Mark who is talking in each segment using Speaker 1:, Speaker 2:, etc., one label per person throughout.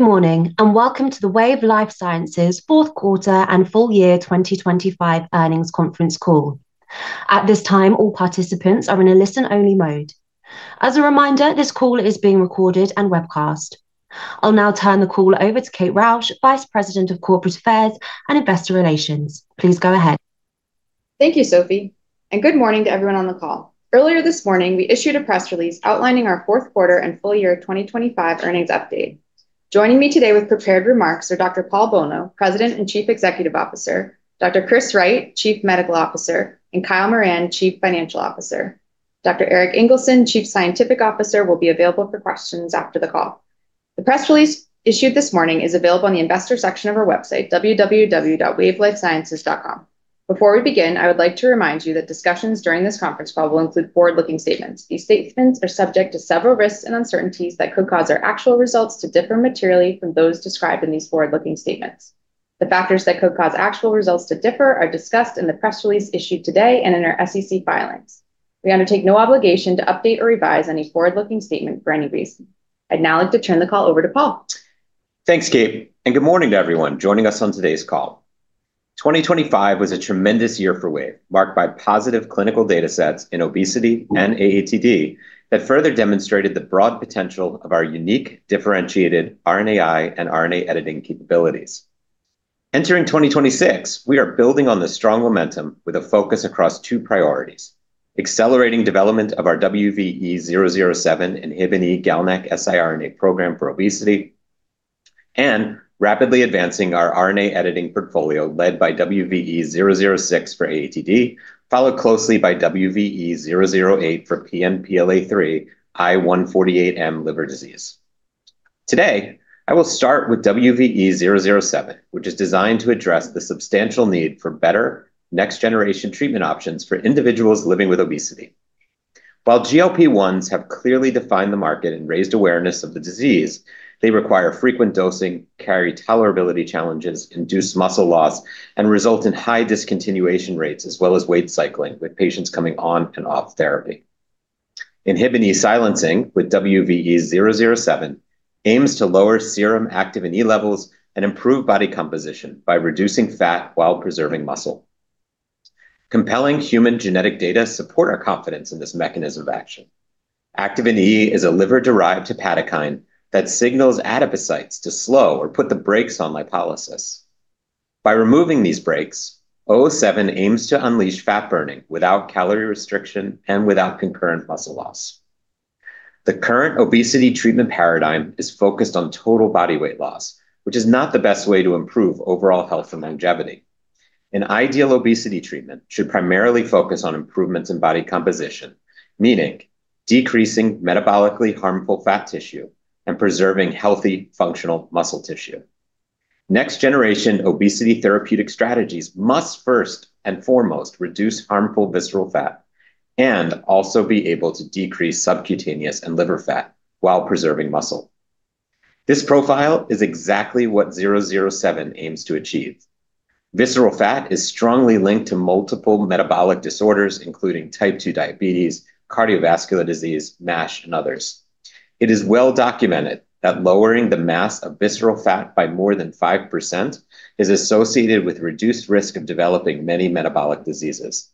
Speaker 1: Good morning, welcome to the Wave Life Sciences fourth quarter and full year 2025 earnings conference call. At this time, all participants are in a listen-only mode. As a reminder, this call is being recorded and webcast. I'll now turn the call over to Kate Rausch, Vice President of Corporate Affairs and Investor Relations. Please go ahead.
Speaker 2: Thank you, Sophie. Good morning to everyone on the call. Earlier this morning, we issued a press release outlining our fourth quarter and full year 2025 earnings update. Joining me today with prepared remarks are Dr. Paul Bolno, President and Chief Executive Officer, Dr. Christopher Wright, Chief Medical Officer, and Kyle Moran, Chief Financial Officer. Dr. Erik Ingelsson, Chief Scientific Officer, will be available for questions after the call. The press release issued this morning is available on the investor section of our website, www.wavelifesciences.com. Before we begin, I would like to remind you that discussions during this conference call will include forward-looking statements. These statements are subject to several risks and uncertainties that could cause our actual results to differ materially from those described in these forward-looking statements. The factors that could cause actual results to differ are discussed in the press release issued today and in our SEC filings. We undertake no obligation to update or revise any forward-looking statement for any reason. I'd now like to turn the call over to Paul.
Speaker 3: Thanks, Kate. Good morning to everyone joining us on today's call. 2025 was a tremendous year for Wave, marked by positive clinical data sets in obesity and AATD that further demonstrated the broad potential of our unique differentiated RNAi and RNA editing capabilities. Entering 2026, we are building on this strong momentum with a focus across two priorities: accelerating development of our WVE-007 inhibitor GalNAc siRNA program for obesity, rapidly advancing our RNA editing portfolio, led by WVE-006 for AATD, followed closely by WVE-008 for PNPLA3 I148M liver disease. Today, I will start with WVE-007, which is designed to address the substantial need for better next-generation treatment options for individuals living with obesity. While GLP-1s have clearly defined the market and raised awareness of the disease, they require frequent dosing, carry tolerability challenges, induce muscle loss, and result in high discontinuation rates, as well as weight cycling, with patients coming on and off therapy. Inhibin silencing with WVE-007 aims to lower serum Activin E levels and improve body composition by reducing fat while preserving muscle. Compelling human genetic data support our confidence in this mechanism of action. Activin E is a liver-derived hepatokine that signals adipocytes to slow or put the brakes on lipolysis. By removing these brakes, 007 aims to unleash fat burning without calorie restriction and without concurrent muscle loss. The current obesity treatment paradigm is focused on total body weight loss, which is not the best way to improve overall health and longevity. An ideal obesity treatment should primarily focus on improvements in body composition, meaning decreasing metabolically harmful fat tissue and preserving healthy, functional muscle tissue. Next-generation obesity therapeutic strategies must first and foremost reduce harmful visceral fat and also be able to decrease subcutaneous and liver fat while preserving muscle. This profile is exactly what zero zero seven aims to achieve. Visceral fat is strongly linked to multiple metabolic disorders, including type 2 diabetes, cardiovascular disease, MASH, and others. It is well documented that lowering the mass of visceral fat by more than 5% is associated with reduced risk of developing many metabolic diseases.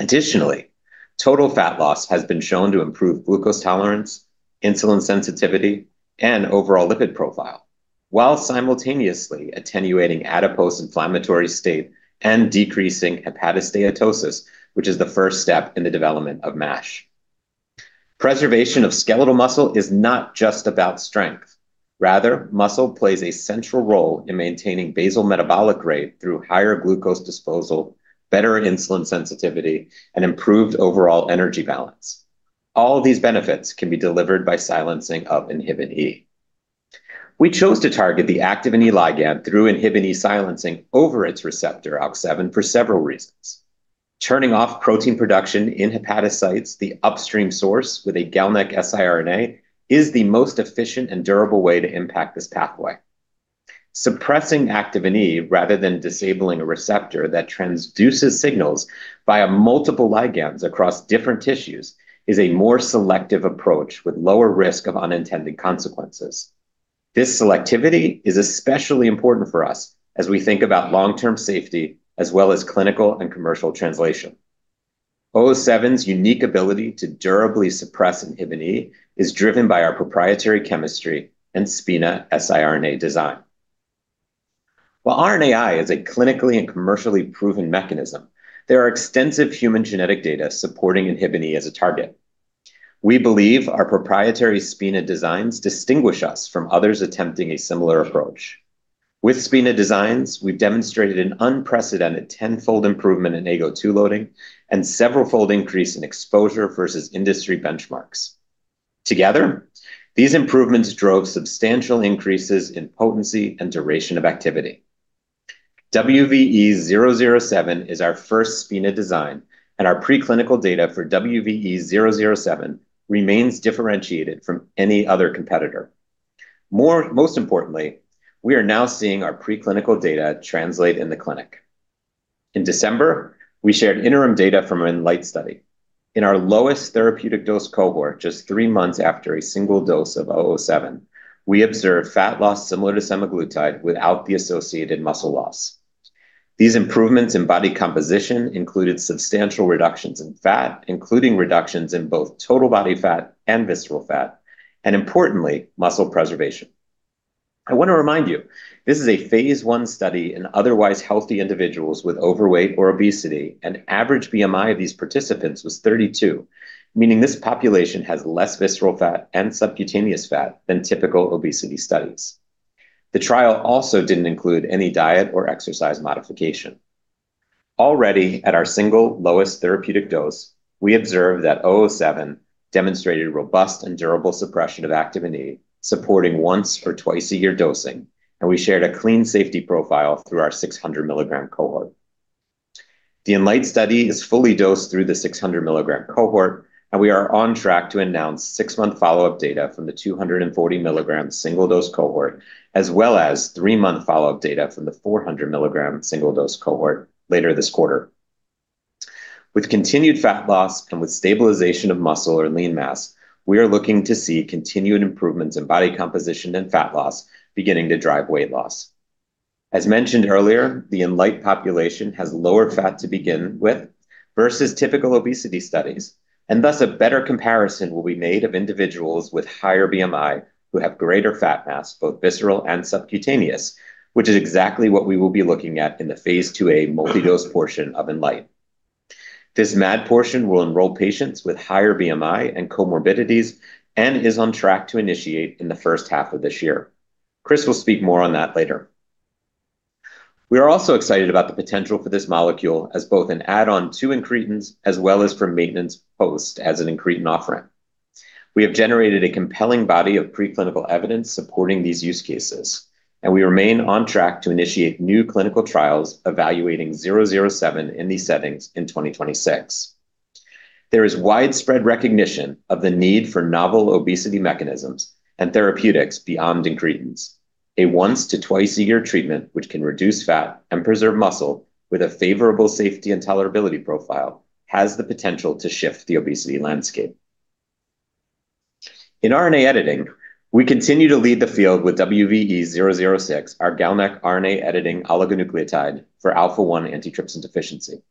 Speaker 3: Additionally, total fat loss has been shown to improve glucose tolerance, insulin sensitivity, and overall lipid profile, while simultaneously attenuating adipose inflammatory state and decreasing hepatosteatosis, which is the first step in the development of MASH. Preservation of skeletal muscle is not just about strength. Rather, muscle plays a central role in maintaining basal metabolic rate through higher glucose disposal, better insulin sensitivity, and improved overall energy balance. All these benefits can be delivered by silencing of INHBE. We chose to target the Activin E ligand through INHBE silencing over its receptor, ALK7, for several reasons. Turning off protein production in hepatocytes, the upstream source with a GalNAc siRNA, is the most efficient and durable way to impact this pathway. Suppressing Activin E rather than disabling a receptor that transduces signals via multiple ligands across different tissues is a more selective approach with lower risk of unintended consequences. This selectivity is especially important for us as we think about long-term safety, as well as clinical and commercial translation. WVE-007's unique ability to durably suppress INHBE is driven by our proprietary chemistry and SpiNA siRNA design. While RNAi is a clinically and commercially proven mechanism, there are extensive human genetic data supporting INHBE as a target. We believe our proprietary SpiNA designs distinguish us from others attempting a similar approach. With SpiNA designs, we've demonstrated an unprecedented 10-fold improvement in Ago2 loading and several-fold increase in exposure versus industry benchmarks. Together, these improvements drove substantial increases in potency and duration of activity. WVE-007 is our first SpiNA design, and our preclinical data for WVE-007 remains differentiated from any other competitor. Most importantly, we are now seeing our preclinical data translate in the clinic. In December, we shared interim data from an INLIGHT study. In our lowest therapeutic dose cohort, just three months after a single dose of WVE-007, we observed fat loss similar to semaglutide without the associated muscle loss. These improvements in body composition included substantial reductions in fat, including reductions in both total body fat and visceral fat. Importantly, muscle preservation. I want to remind you, this is a Phase I study in otherwise healthy individuals with overweight or obesity. Average BMI of these participants was 32, meaning this population has less visceral fat and subcutaneous fat than typical obesity studies. The trial also didn't include any diet or exercise modification. Already, at our single lowest therapeutic dose, we observed that WVE-007 demonstrated robust and durable suppression of Activin A, supporting once or twice a year dosing. We shared a clean safety profile through our 600 milligram cohort. The INLIGHT study is fully dosed through the 600 milligram cohort, and we are on track to announce six month follow-up data from the 240 milligram single-dose cohort, as well as three month follow-up data from the 400 milligram single-dose cohort later this quarter. With continued fat loss and with stabilization of muscle or lean mass, we are looking to see continued improvements in body composition and fat loss beginning to drive weight loss. As mentioned earlier, the INLIGHT population has lower fat to begin with versus typical obesity studies, and thus a better comparison will be made of individuals with higher BMI who have greater fat mass, both visceral and subcutaneous, which is exactly what we will be looking at in the phase IIa multi-dose portion of INLIGHT. This MAD portion will enroll patients with higher BMI and comorbidities and is on track to initiate in the first half of this year. Chris will speak more on that later. We are also excited about the potential for this molecule as both an add-on to incretins as well as for maintenance post as an incretin offering. We have generated a compelling body of preclinical evidence supporting these use cases, and we remain on track to initiate new clinical trials evaluating 007 in these settings in 2026. There is widespread recognition of the need for novel obesity mechanisms and therapeutics beyond incretins. A once to twice-a-year treatment, which can reduce fat and preserve muscle with a favorable safety and tolerability profile, has the potential to shift the obesity landscape. In RNA editing, we continue to lead the field with WVE-006, our GalNAc RNA editing oligonucleotide for alpha-1 antitrypsin deficiency.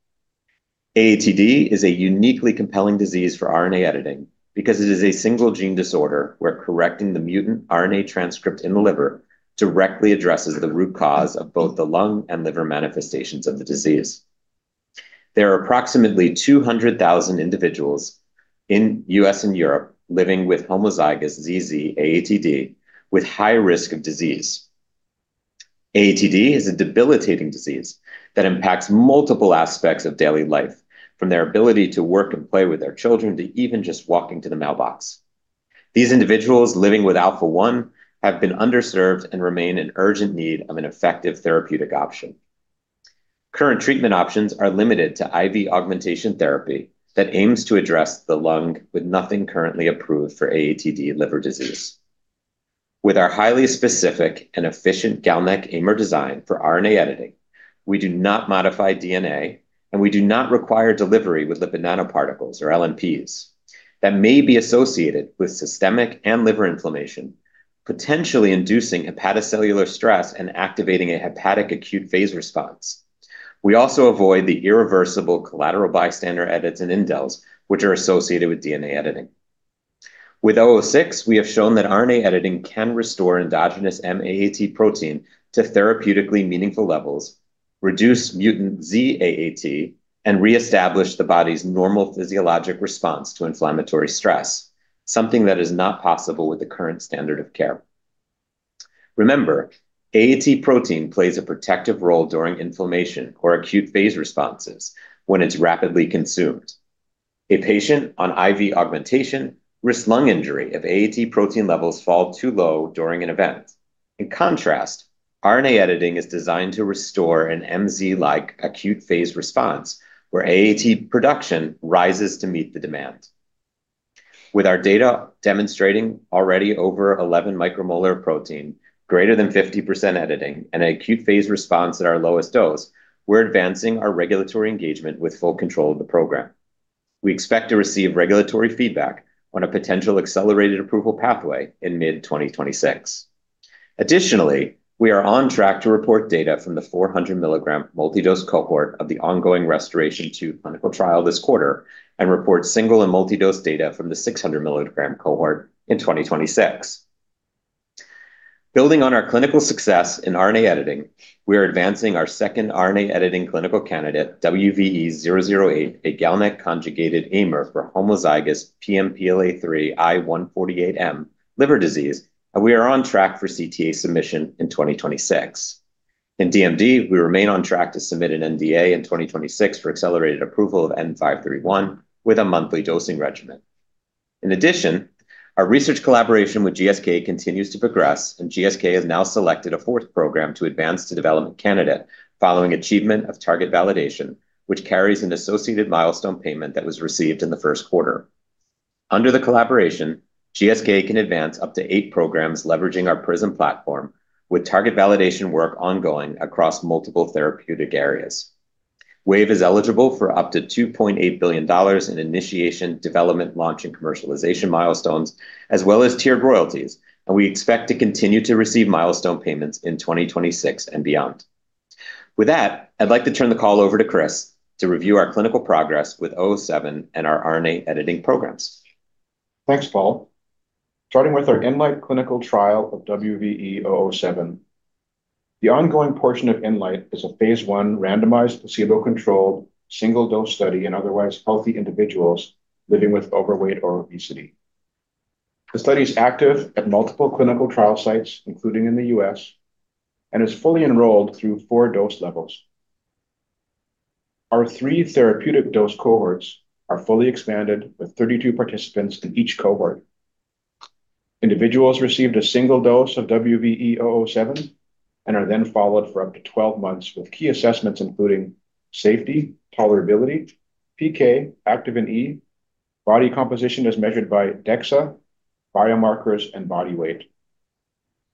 Speaker 3: AATD is a uniquely compelling disease for RNA editing because it is a single-gene disorder where correcting the mutant RNA transcript in the liver directly addresses the root cause of both the lung and liver manifestations of the disease. There are approximately 200,000 individuals in U.S. and Europe living with homozygous ZZ AATD with high risk of disease. AATD is a debilitating disease that impacts multiple aspects of daily life, from their ability to work and play with their children, to even just walking to the mailbox. These individuals living with alpha-1 have been underserved and remain in urgent need of an effective therapeutic option. Current treatment options are limited to IV augmentation therapy that aims to address the lung with nothing currently approved for AATD liver disease. With our highly specific and efficient GalNAc AIMER design for RNA editing, we do not modify DNA. We do not require delivery with lipid nanoparticles or LNPs that may be associated with systemic and liver inflammation, potentially inducing hepatocellular stress and activating a hepatic acute-phase response. We also avoid the irreversible collateral bystander edits and indels, which are associated with DNA editing. With WVE-006, we have shown that RNA editing can restore endogenous M-AAT protein to therapeutically meaningful levels, reduce mutant Z-AAT, and reestablish the body's normal physiologic response to inflammatory stress, something that is not possible with the current standard of care. Remember, AAT protein plays a protective role during inflammation or acute-phase responses when it's rapidly consumed. A patient on IV augmentation risks lung injury if AAT protein levels fall too low during an event. In contrast, RNA editing is designed to restore an MZ-like acute-phase response, where AAT production rises to meet the demand. With our data demonstrating already over 11 micromolar protein, greater than 50% editing, and an acute-phase response at our lowest dose, we're advancing our regulatory engagement with full control of the program. We expect to receive regulatory feedback on a potential accelerated approval pathway in mid-2026. Additionally, we are on track to report data from the 400 milligram multi-dose cohort of the ongoing RestorAATion-2 clinical trial this quarter and report single and multi-dose data from the 600 milligram cohort in 2026. Building on our clinical success in RNA editing, we are advancing our second RNA editing clinical candidate, WVE-008, a GalNAc conjugated AIMER for homozygous PNPLA3 I148M liver disease. We are on track for CTA submission in 2026. In DMD, we remain on track to submit an NDA in 2026 for accelerated approval of WVE-N531 with a monthly dosing regimen. In addition, our research collaboration with GSK continues to progress, and GSK has now selected a fourth program to advance to development candidate following achievement of target validation, which carries an associated milestone payment that was received in the first quarter. Under the collaboration, GSK can advance up to eight programs leveraging our PRISM platform, with target validation work ongoing across multiple therapeutic areas. Wave is eligible for up to $2.8 billion in initiation, development, launch, and commercialization milestones, as well as tiered royalties, and we expect to continue to receive milestone payments in 2026 and beyond. With that, I'd like to turn the call over to Chris to review our clinical progress with WVE-007 and our RNA editing programs.
Speaker 4: Thanks, Paul. Starting with our INLIGHT clinical trial of WVE-007, the ongoing portion of INLIGHT is a phase I randomized, placebo-controlled, single-dose study in otherwise healthy individuals living with overweight or obesity. The study is active at multiple clinical trial sites, including in the U.S., and is fully enrolled through four dose levels. Our three therapeutic dose cohorts are fully expanded, with 32 participants in each cohort. Individuals received a single dose of WVE-007 and are then followed for up to 12 months, with key assessments including safety, tolerability, PK, Activin E, body composition as measured by DEXA, biomarkers, and body weight.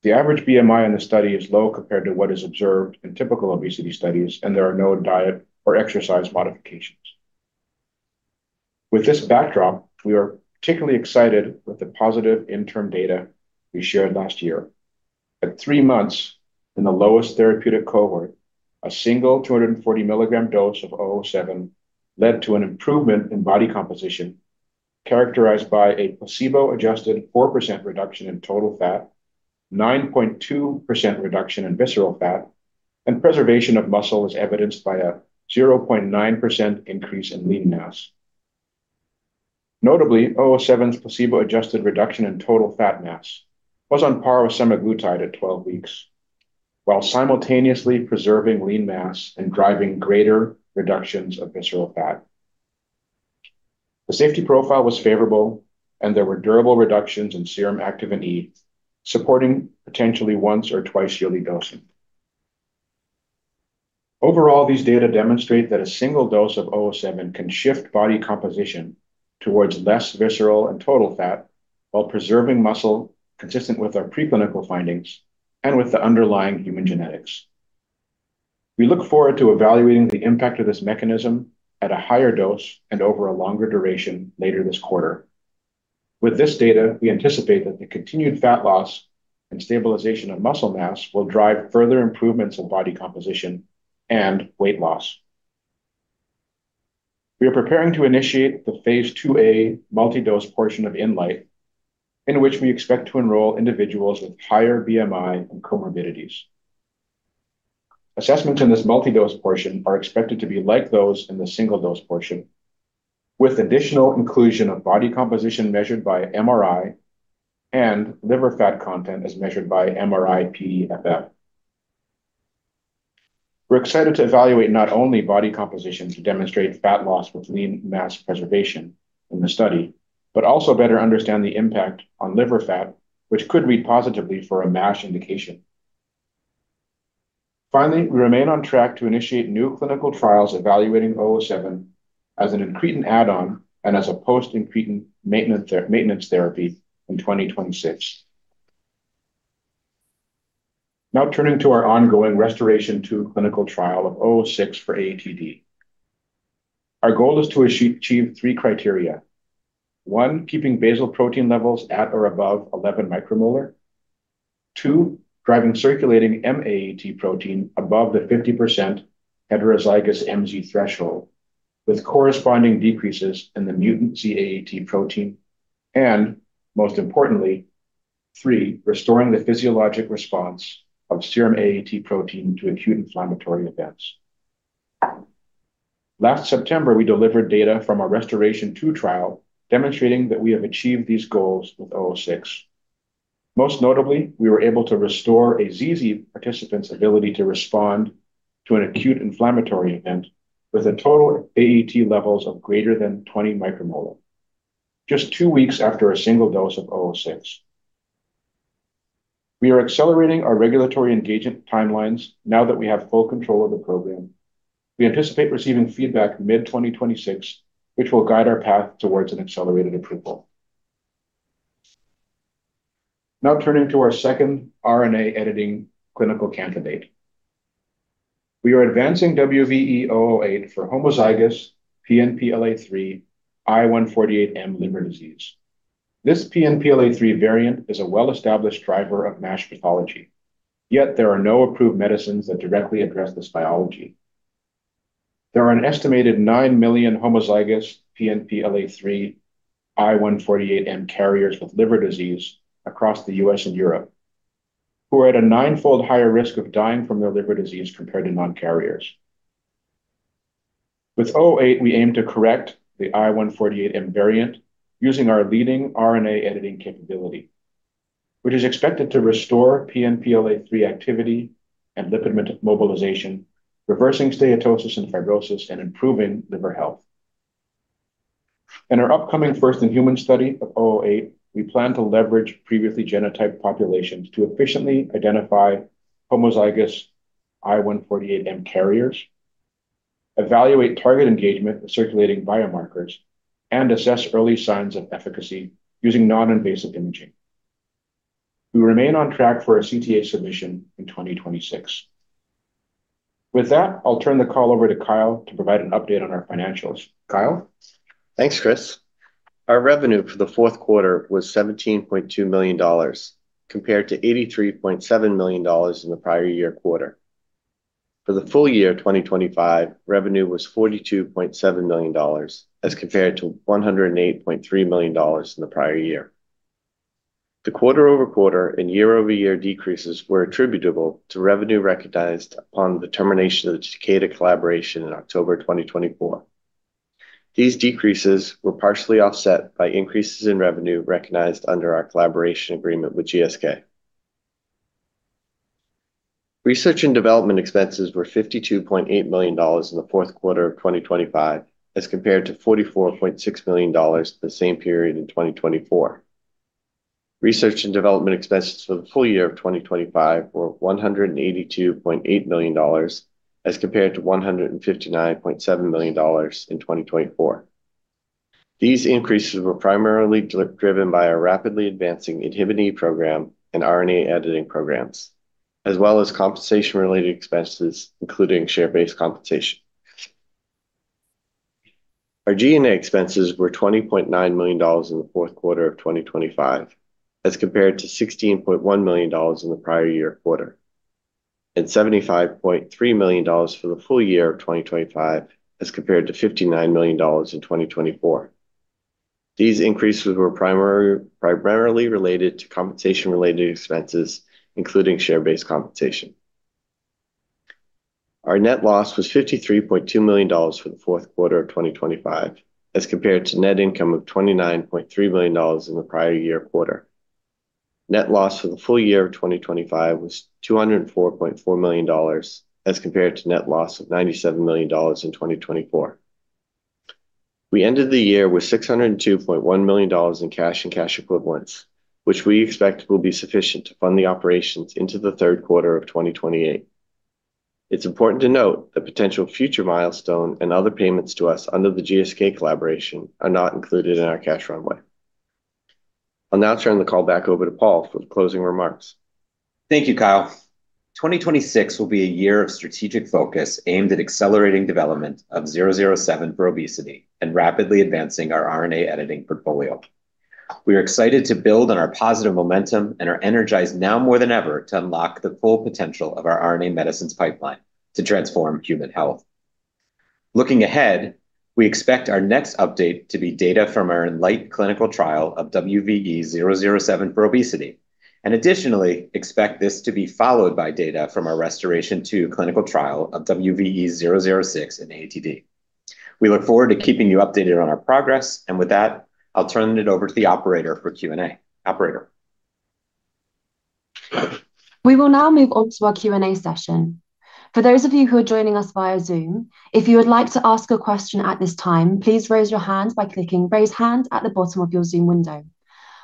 Speaker 4: The average BMI in the study is low compared to what is observed in typical obesity studies, and there are no diet or exercise modifications. With this backdrop, we are particularly excited with the positive interim data we shared last year. At three months, in the lowest therapeutic cohort, a single 240 mg dose of WVE-007 led to an improvement in body composition, characterized by a placebo-adjusted 4% reduction in total fat, 9.2% reduction in visceral fat, and preservation of muscle, as evidenced by a 0.9% increase in lean mass. Notably, WVE-007's placebo-adjusted reduction in total fat mass was on par with semaglutide at 12 weeks, while simultaneously preserving lean mass and driving greater reductions of visceral fat. The safety profile was favorable, there were durable reductions in serum Activin E, supporting potentially once or twice yearly dosing. Overall, these data demonstrate that a single dose of WVE-007 can shift body composition towards less visceral and total fat, while preserving muscle, consistent with our preclinical findings and with the underlying human genetics. We look forward to evaluating the impact of this mechanism at a higher dose and over a longer duration later this quarter. With this data, we anticipate that the continued fat loss and stabilization of muscle mass will drive further improvements in body composition and weight loss. We are preparing to initiate the phase IIa multi-dose portion of INLIGHT, in which we expect to enroll individuals with higher BMI and comorbidities. Assessments in this multi-dose portion are expected to be like those in the single-dose portion, with additional inclusion of body composition measured by MRI and liver fat content as measured by MRI-PDFF. We're excited to evaluate not only body composition to demonstrate fat loss with lean mass preservation in the study, but also better understand the impact on liver fat, which could read positively for a MASH indication. We remain on track to initiate new clinical trials evaluating WVE-007 as an incretin add-on and as a post-incretin maintenance therapy in 2026. Turning to our ongoing RestorAATion-2 clinical trial of WVE-006 for AATD. Our goal is to achieve three criteria. one. Keeping basal protein levels at or above 11 micromolar. Two Driving circulating MAAT protein above the 50% heterozygous MZ threshold, with corresponding decreases in the mutant Z-AAT protein, and most importantly, one. Restoring the physiologic response of serum AAT protein to acute inflammatory events. Last September, we delivered data from our RestorAATion-2 trial, demonstrating that we have achieved these goals with WVE-006. Most notably, we were able to restore a ZZ participant's ability to respond to an acute inflammatory event with a total AAT levels of greater than 20 micromolar, just two weeks after a single dose of WVE-006. We are accelerating our regulatory engagement timelines now that we have full control of the program. We anticipate receiving feedback mid-2026, which will guide our path towards an accelerated approval. Turning to our second RNA editing clinical candidate. We are advancing WVE-008 for homozygous PNPLA3 I148M liver disease. This PNPLA3 variant is a well-established driver of MASH pathology, yet there are no approved medicines that directly address this biology. There are an estimated nine million homozygous PNPLA3 I148M carriers with liver disease across the U.S. and Europe, who are at a ninefold higher risk of dying from their liver disease compared to non-carriers. With 008, we aim to correct the I148M variant using our leading RNA editing capability, which is expected to restore PNPLA3 activity and lipid mobilization, reversing steatosis and fibrosis, and improving liver health. In our upcoming first-in-human study of WVE-008, we plan to leverage previously genotyped populations to efficiently identify homozygous I148M carriers. evaluate target engagement with circulating biomarkers, and assess early signs of efficacy using non-invasive imaging. We remain on track for a CTA submission in 2026. With that, I'll turn the call over to Kyle to provide an update on our financials. Kyle?
Speaker 5: Thanks, Chris. Our revenue for the fourth quarter was $17.2 million, compared to $83.7 million in the prior year quarter. For the full year of 2025, revenue was $42.7 million, as compared to $108.3 million in the prior year. The quarter-over-quarter and year-over-year decreases were attributable to revenue recognized upon the termination of the Takeda collaboration in October 2024. These decreases were partially offset by increases in revenue recognized under our collaboration agreement with GSK. Research and development expenses were $52.8 million in the fourth quarter of 2025, as compared to $44.6 million the same period in 2024. Research and development expenses for the full year of 2025 were $182.8 million, as compared to $159.7 million in 2024. These increases were primarily driven by a rapidly advancing INHBE program and RNA editing programs, as well as compensation-related expenses, including share-based compensation. Our G&A expenses were $20.9 million in the fourth quarter of 2025, as compared to $16.1 million in the prior year quarter, and $75.3 million for the full year of 2025, as compared to $59 million in 2024. These increases were primarily related to compensation-related expenses, including share-based compensation. Our net loss was $53.2 million for the fourth quarter of 2025, as compared to net income of $29.3 million in the prior year quarter. Net loss for the full year of 2025 was $204.4 million, as compared to net loss of $97 million in 2024. We ended the year with $602.1 million in cash and cash equivalents, which we expect will be sufficient to fund the operations into the third quarter of 2028. It's important to note that potential future milestone and other payments to us under the GSK collaboration are not included in our cash runway. I'll now turn the call back over to Paul for the closing remarks.
Speaker 6: Thank you, Kyle. 2026 will be a year of strategic focus aimed at accelerating development of WVE-007 for obesity and rapidly advancing our RNA editing portfolio. We are excited to build on our positive momentum and are energized now more than ever, to unlock the full potential of our RNA medicines pipeline to transform human health. Looking ahead, we expect our next update to be data from our INLIGHT clinical trial of WVE-007 for obesity. Additionally, expect this to be followed by data from our RestorAATion-2 clinical trial of WVE-006 in AATD. We look forward to keeping you updated on our progress, and with that, I'll turn it over to the operator for Q&A. Operator?
Speaker 1: We will now move on to our Q&A session. For those of you who are joining us via Zoom, if you would like to ask a question at this time, please raise your hand by clicking Raise Hand at the bottom of your Zoom window.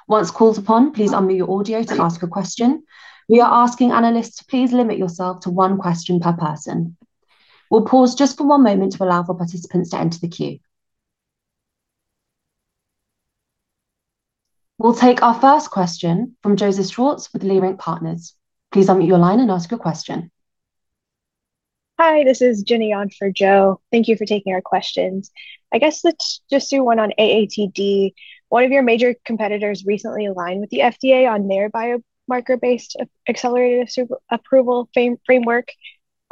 Speaker 1: Once called upon, please unmute your audio to ask a question. We are asking analysts to please limit yourself to one question per person. We'll pause just for one moment to allow for participants to enter the queue. We'll take our first question from Joseph Schwartz with Leerink Partners. Please unmute your line and ask your question.
Speaker 7: Hi, this is Jenny on for Joe. Thank you for taking our questions. I guess let's just do one on AATD. One of your major competitors recently aligned with the FDA on their biomarker-based accelerated super-approval framework.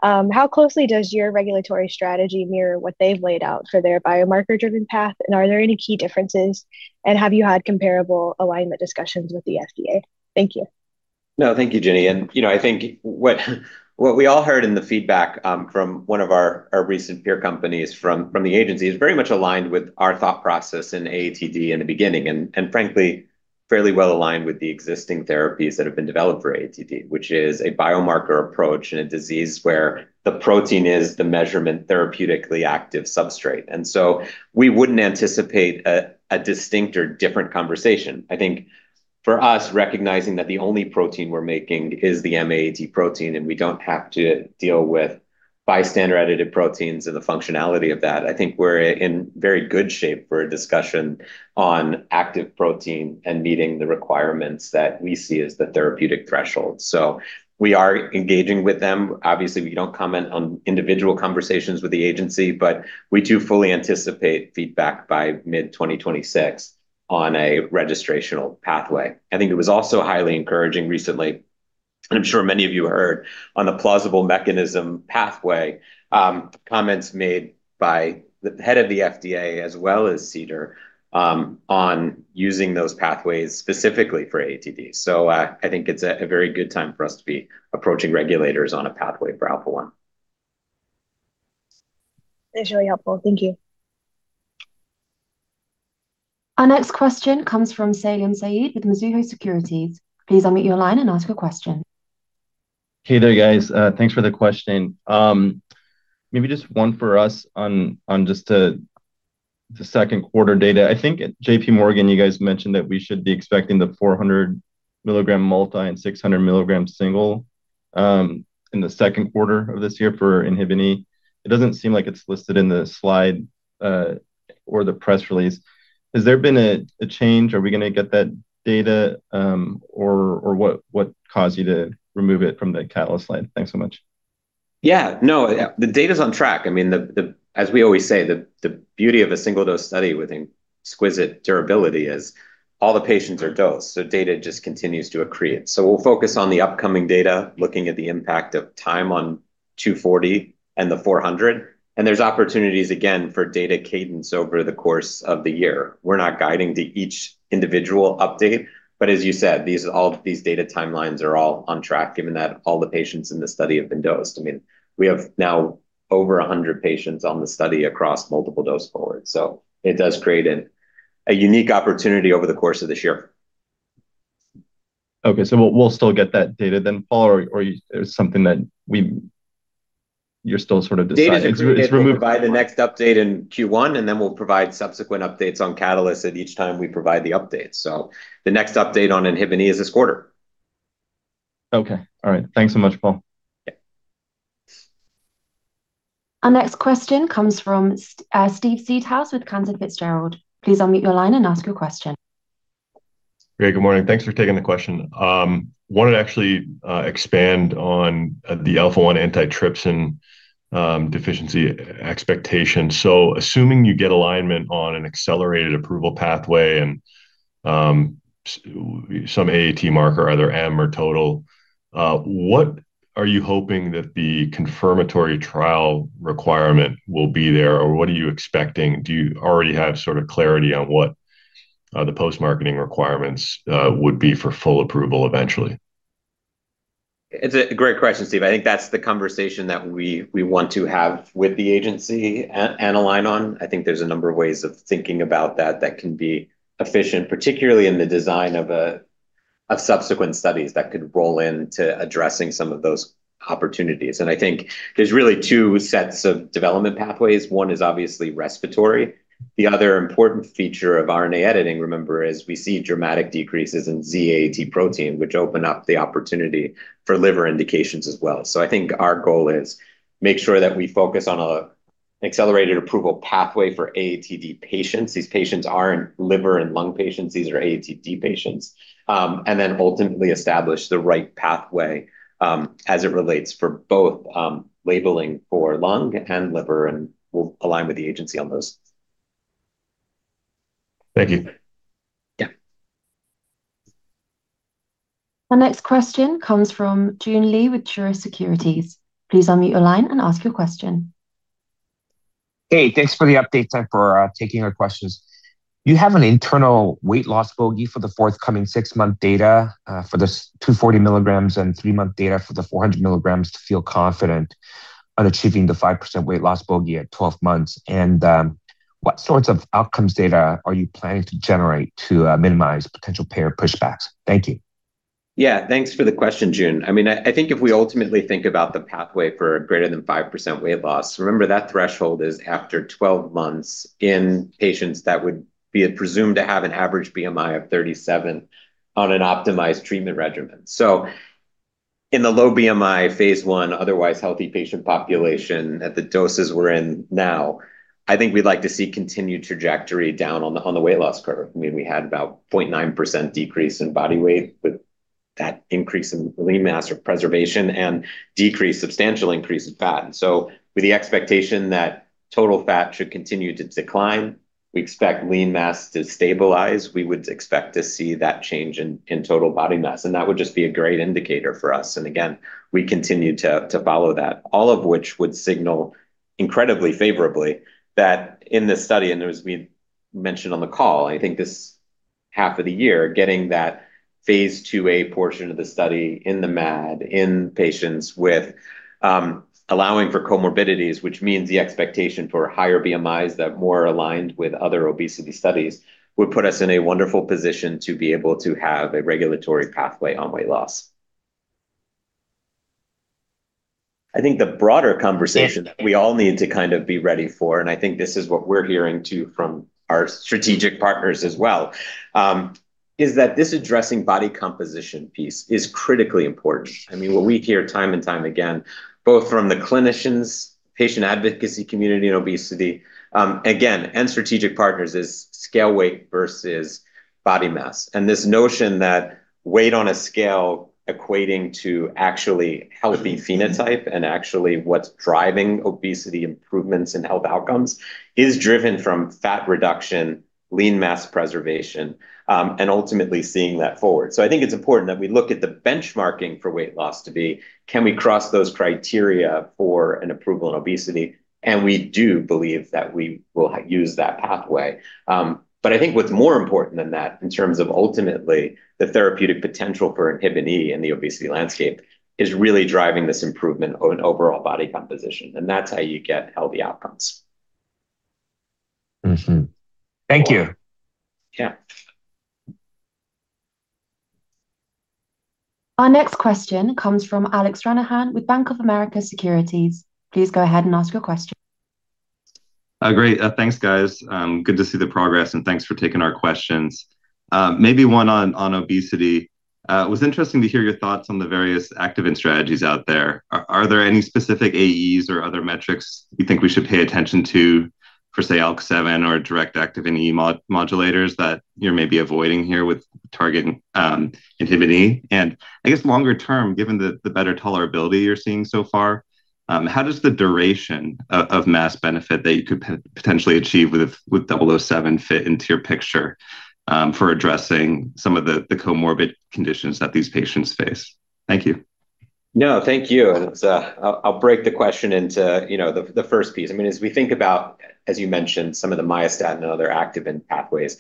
Speaker 7: How closely does your regulatory strategy mirror what they've laid out for their biomarker-driven path, and are there any key differences, and have you had comparable alignment discussions with the FDA? Thank you.
Speaker 3: No, thank you, Jenny. You know, I think what we all heard in the feedback from one of our recent peer companies from the agency is very much aligned with our thought process in AATD in the beginning, and frankly, fairly well aligned with the existing therapies that have been developed for AATD, which is a biomarker approach in a disease where the protein is the measurement therapeutically active substrate. We wouldn't anticipate a distinct or different conversation. I think for us, recognizing that the only protein we're making is the MAAT protein, and we don't have to deal with bystander edited proteins and the functionality of that, I think we're in very good shape for a discussion on active protein and meeting the requirements that we see as the therapeutic threshold. We are engaging with them. Obviously, we don't comment on individual conversations with the agency, but we do fully anticipate feedback by mid-2026 on a registrational pathway. I think it was also highly encouraging recently, and I'm sure many of you heard, on the Plausible Mechanism Framework, comments made by the head of the FDA as well as CDER, on using those pathways specifically for AATD. I think it's a very good time for us to be approaching regulators on a pathway for alpha-one.
Speaker 7: That's really helpful. Thank you.
Speaker 1: Our next question comes from Salim Syed with Mizuho Securities. Please unmute your line and ask a question.
Speaker 8: Hey there, guys. Thanks for the question. Maybe just one for us on the second quarter data, I think at JP Morgan, you guys mentioned that we should be expecting the 400 milligram multi and 600 milligram single in the second quarter of this year for Inhibin E. It doesn't seem like it's listed in the slide or the press release. Has there been a change? Are we gonna get that data or what caused you to remove it from the Catalyst slide? Thanks so much.
Speaker 3: Yeah, no, yeah, the data's on track. I mean, the, as we always say, the beauty of a single-dose study with exquisite durability is all the patients are dosed, so data just continues to accrete. We'll focus on the upcoming data, looking at the impact of time on 240 and the 400, and there's opportunities again for data cadence over the course of the year. We're not guiding to each individual update, but as you said, all these data timelines are all on track, given that all the patients in the study have been dosed. I mean, we have now over 100 patients on the study across multiple dose forward, it does create a unique opportunity over the course of this year.
Speaker 8: Okay, we'll still get that data then, Paul, or there's something that you're still sort of deciding. It's removed...?
Speaker 3: Data is included by the next update in Q1, we'll provide subsequent updates on Catalyst at each time we provide the updates. The next update on INHBE is this quarter.
Speaker 8: Okay. All right. Thanks so much, Paul.
Speaker 3: Yeah.
Speaker 1: Our next question comes from Steve Seedhouse with Cantor Fitzgerald. Please unmute your line and ask your question.
Speaker 9: Hey, good morning. Thanks for taking the question. wanted to actually expand on the alpha-1 antitrypsin deficiency expectation. Assuming you get alignment on an accelerated approval pathway and some AAT marker, either M or total, what are you hoping that the confirmatory trial requirement will be there, or what are you expecting? Do you already have sort of clarity on what the post-marketing requirements would be for full approval eventually?
Speaker 3: It's a great question, Steve. I think that's the conversation that we want to have with the agency and align on. I think there's a number of ways of thinking about that can be efficient, particularly in the design of subsequent studies that could roll into addressing some of those opportunities. I think there's really two sets of development pathways. One is obviously respiratory. The other important feature of RNA editing, remember, is we see dramatic decreases in Z-AAT protein, which open up the opportunity for liver indications as well. I think our goal is make sure that we focus on a accelerated approval pathway for AATD patients. These patients aren't liver and lung patients, these are AATD patients. Ultimately establish the right pathway, as it relates for both, labeling for lung and liver, and we'll align with the agency on those.
Speaker 9: Thank you.
Speaker 6: Yeah.
Speaker 1: Our next question comes from Joon Lee with Truist Securities. Please unmute your line and ask your question.
Speaker 10: Hey, thanks for the update and for taking our questions. You have an internal weight loss bogey for the forthcoming six month data for the 240 milligrams and three month data for the 400 milligrams to feel confident on achieving the 5% weight loss bogey at 12 months. What sorts of outcomes data are you planning to generate to minimize potential payer pushbacks? Thank you.
Speaker 3: Yeah, thanks for the question, Joon. I mean, I think if we ultimately think about the pathway for greater than 5% weight loss, remember that threshold is after 12 months in patients that would be presumed to have an average BMI of 37 on an optimized treatment regimen. In the low BMI, Phase I, otherwise healthy patient population at the doses we're in now, I think we'd like to see continued trajectory down on the weight loss curve. I mean, we had about 0.9% decrease in body weight, with that increase in lean mass or preservation and substantial increase in fat. With the expectation that total fat should continue to decline, we expect lean mass to stabilize. We would expect to see that change in total body mass, that would just be a great indicator for us. Again, we continue to follow that, all of which would signal incredibly favorably that in this study, and as we mentioned on the call, I think this half of the year, getting that Phase IIa portion of the study in the MAD, in patients with allowing for comorbidities, which means the expectation for higher BMIs that more aligned with other obesity studies, would put us in a wonderful position to be able to have a regulatory pathway on weight loss. I think the broader conversation that we all need to kind of be ready for, and I think this is what we're hearing, too, from our strategic partners as well, is that this addressing body composition piece is critically important. I mean, what we hear time and time again, both from the clinicians, patient advocacy, community and obesity, again, strategic partners, is scale weight versus body mass. This notion that weight on a scale equating to actually healthy phenotype and actually what's driving obesity improvements in health outcomes is driven from fat reduction, lean mass preservation, and ultimately seeing that forward. I think it's important that we look at the benchmarking for weight loss to be, can we cross those criteria for an approval in obesity? We do believe that we will use that pathway. I think what's more important than that, in terms of ultimately the therapeutic potential for Activin E in the obesity landscape, is really driving this improvement on overall body composition, and that's how you get healthy outcomes.
Speaker 10: Mm-hmm. Thank you.
Speaker 6: Yeah.
Speaker 1: Our next question comes from Alex Ranahan with Bank of AIMERica Securities. Please go ahead and ask your question.
Speaker 11: Great. Thanks, guys. Good to see the progress, and thanks for taking our questions. Maybe one on obesity. It was interesting to hear your thoughts on the various Activin strategies out there. Are there any specific AEs or other metrics you think we should pay attention to, for, say, ALK7 or direct Activin E modulators that you're maybe avoiding here with targeting INHBE? I guess longer term, given the better tolerability you're seeing so far, how does the duration of mass benefit that you could potentially achieve with a, with WVE-007 fit into your picture, for addressing some of the comorbid conditions that these patients face? Thank you.
Speaker 3: No, thank you. I'll break the question into, you know, the first piece. I mean, as we think about, as you mentioned, some of the myostatin and other activin pathways,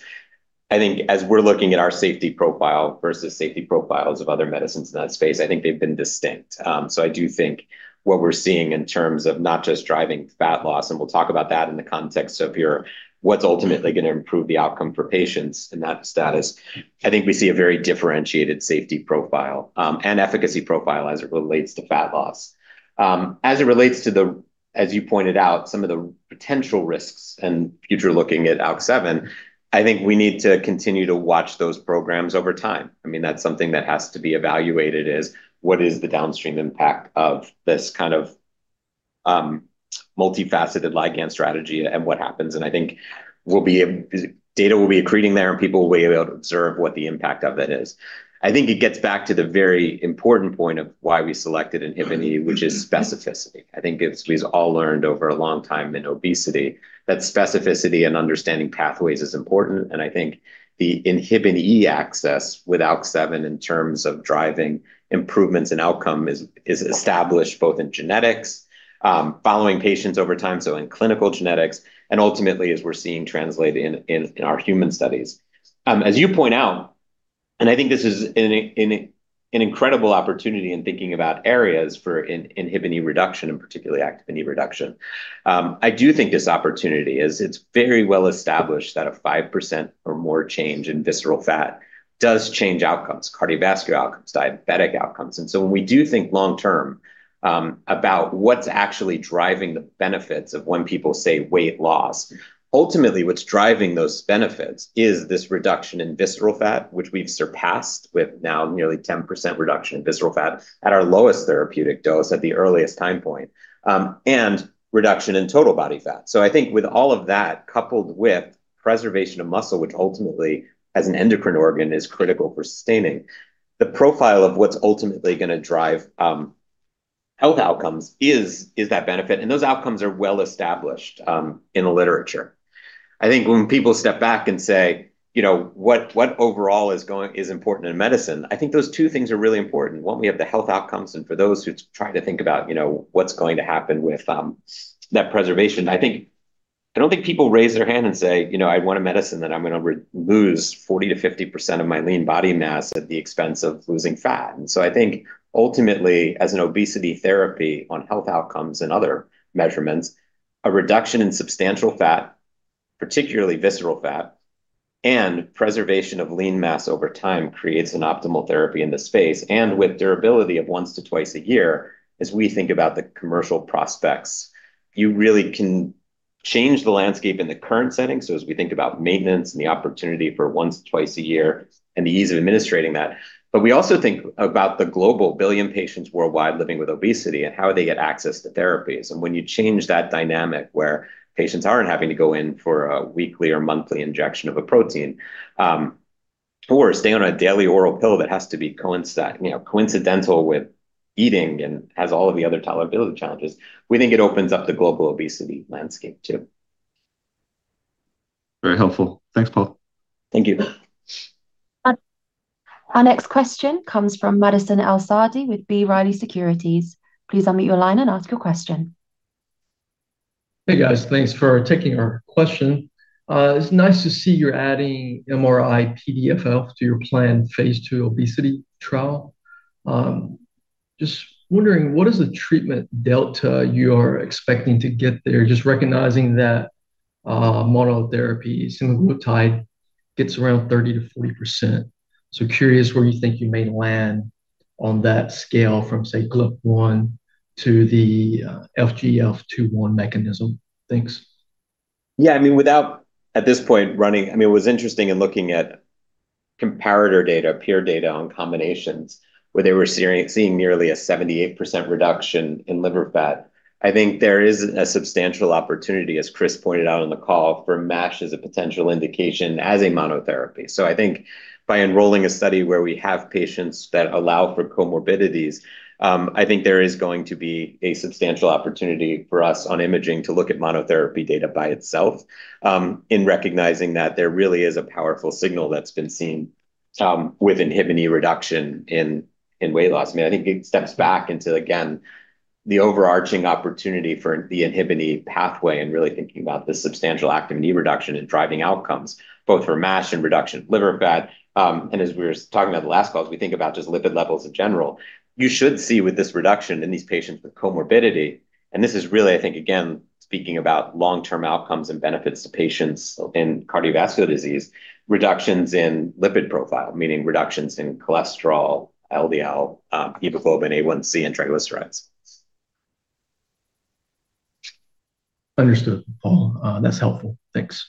Speaker 3: I think as we're looking at our safety profile versus safety profiles of other medicines in that space, I think they've been distinct. I do think what we're seeing in terms of not just driving fat loss, and we'll talk about that in the context of what's ultimately gonna improve the outcome for patients in that status. I think we see a very differentiated safety profile, and efficacy profile as it relates to fat loss. As it relates to the... as you pointed out, some of the potential risks and future looking at ALK7, I think we need to continue to watch those programs over time. I mean, that's something that has to be evaluated, is what is the downstream impact of this kind of multifaceted ligand strategy and what happens? I think data will be accreting there, and people will be able to observe what the impact of that is. I think it gets back to the very important point of why we selected INHBE, which is specificity. I think it's, we've all learned over a long time in obesity that specificity and understanding pathways is important, and I think the INHBE access with ALK7 in terms of driving improvements in outcome is established both in genetics, following patients over time, so in clinical genetics, and ultimately, as we're seeing translated in our human studies. As you point out, I think this is an incredible opportunity in thinking about areas for inhibin E reduction and particularly Activin E reduction. I do think this opportunity is it's very well established that a 5% or more change in visceral fat does change outcomes, cardiovascular outcomes, diabetic outcomes. When we do think long term, about what's actually driving the benefits of when people say weight loss, ultimately, what's driving those benefits is this reduction in visceral fat, which we've surpassed with now nearly 10% reduction in visceral fat at our lowest therapeutic dose at the earliest time point, and reduction in total body fat. I think with all of that, coupled with preservation of muscle, which ultimately, as an endocrine organ, is critical for sustaining. The profile of what's ultimately gonna drive, health outcomes is that benefit, and those outcomes are well established, in the literature. I think when people step back and say, you know, "What overall is important in medicine?" I think those two things are really important. One, we have the health outcomes, and for those who try to think about, you know, what's going to happen with, that preservation, I think. I don't think people raise their hand and say, "You know, I want a medicine that I'm gonna lose 40% to 50% of my lean body mass at the expense of losing fat." I think ultimately, as an obesity therapy on health outcomes and other measurements, a reduction in substantial fat, particularly visceral fat, and preservation of lean mass over time creates an optimal therapy in this space, and with durability of once to twice a year. As we think about the commercial prospects, you really can change the landscape in the current setting. As we think about maintenance and the opportunity for once or twice a year and the ease of administering that, but we also think about the global 1 billion patients worldwide living with obesity and how they get access to therapies. When you change that dynamic, where patients aren't having to go in for a weekly or monthly injection of a protein, or stay on a daily oral pill, that has to be you know, coincidental with eating and has all of the other tolerability challenges, we think it opens up the global obesity landscape, too.
Speaker 11: Very helpful. Thanks, Paul.
Speaker 3: Thank you.
Speaker 1: Our next question comes from Madison El-Saadi with B. Riley Securities. Please unmute your line and ask your question.
Speaker 12: Hey, guys. Thanks for taking our question. It's nice to see you're adding MRI-PDFF to your planned phase II obesity trial. Just wondering, what is the treatment delta you are expecting to get there? Just recognizing that monotherapy semaglutide gets around 30%-40%. Curious where you think you may land on that scale from, say, GLP-1 to the FGF21 mechanism. Thanks.
Speaker 3: Yeah, I mean, without at this point, running... I mean, it was interesting in looking at comparator data, peer data on combinations, where they were seeing nearly a 78% reduction in liver fat. I think there is a substantial opportunity, as Chris pointed out on the call, for MASH as a potential indication, as a monotherapy. I think by enrolling a study where we have patients that allow for comorbidities, I think there is going to be a substantial opportunity for us on imaging to look at monotherapy data by itself. In recognizing that there really is a powerful signal that's been seen, with Activin E reduction in weight loss. I mean, I think it steps back into, again, the overarching opportunity for the INHBE pathway and really thinking about the substantial Activin E reduction in driving outcomes, both for MASH and reduction in liver fat. As we were talking about the last call, we think about just lipid levels in general. You should see with this reduction in these patients. This is really, I think, again, speaking about long-term outcomes and benefits to patients in cardiovascular disease, reductions in lipid profile, meaning reductions in cholesterol, LDL, Hemoglobin A1C, and triglycerides.
Speaker 12: Understood, Paul. That's helpful. Thanks.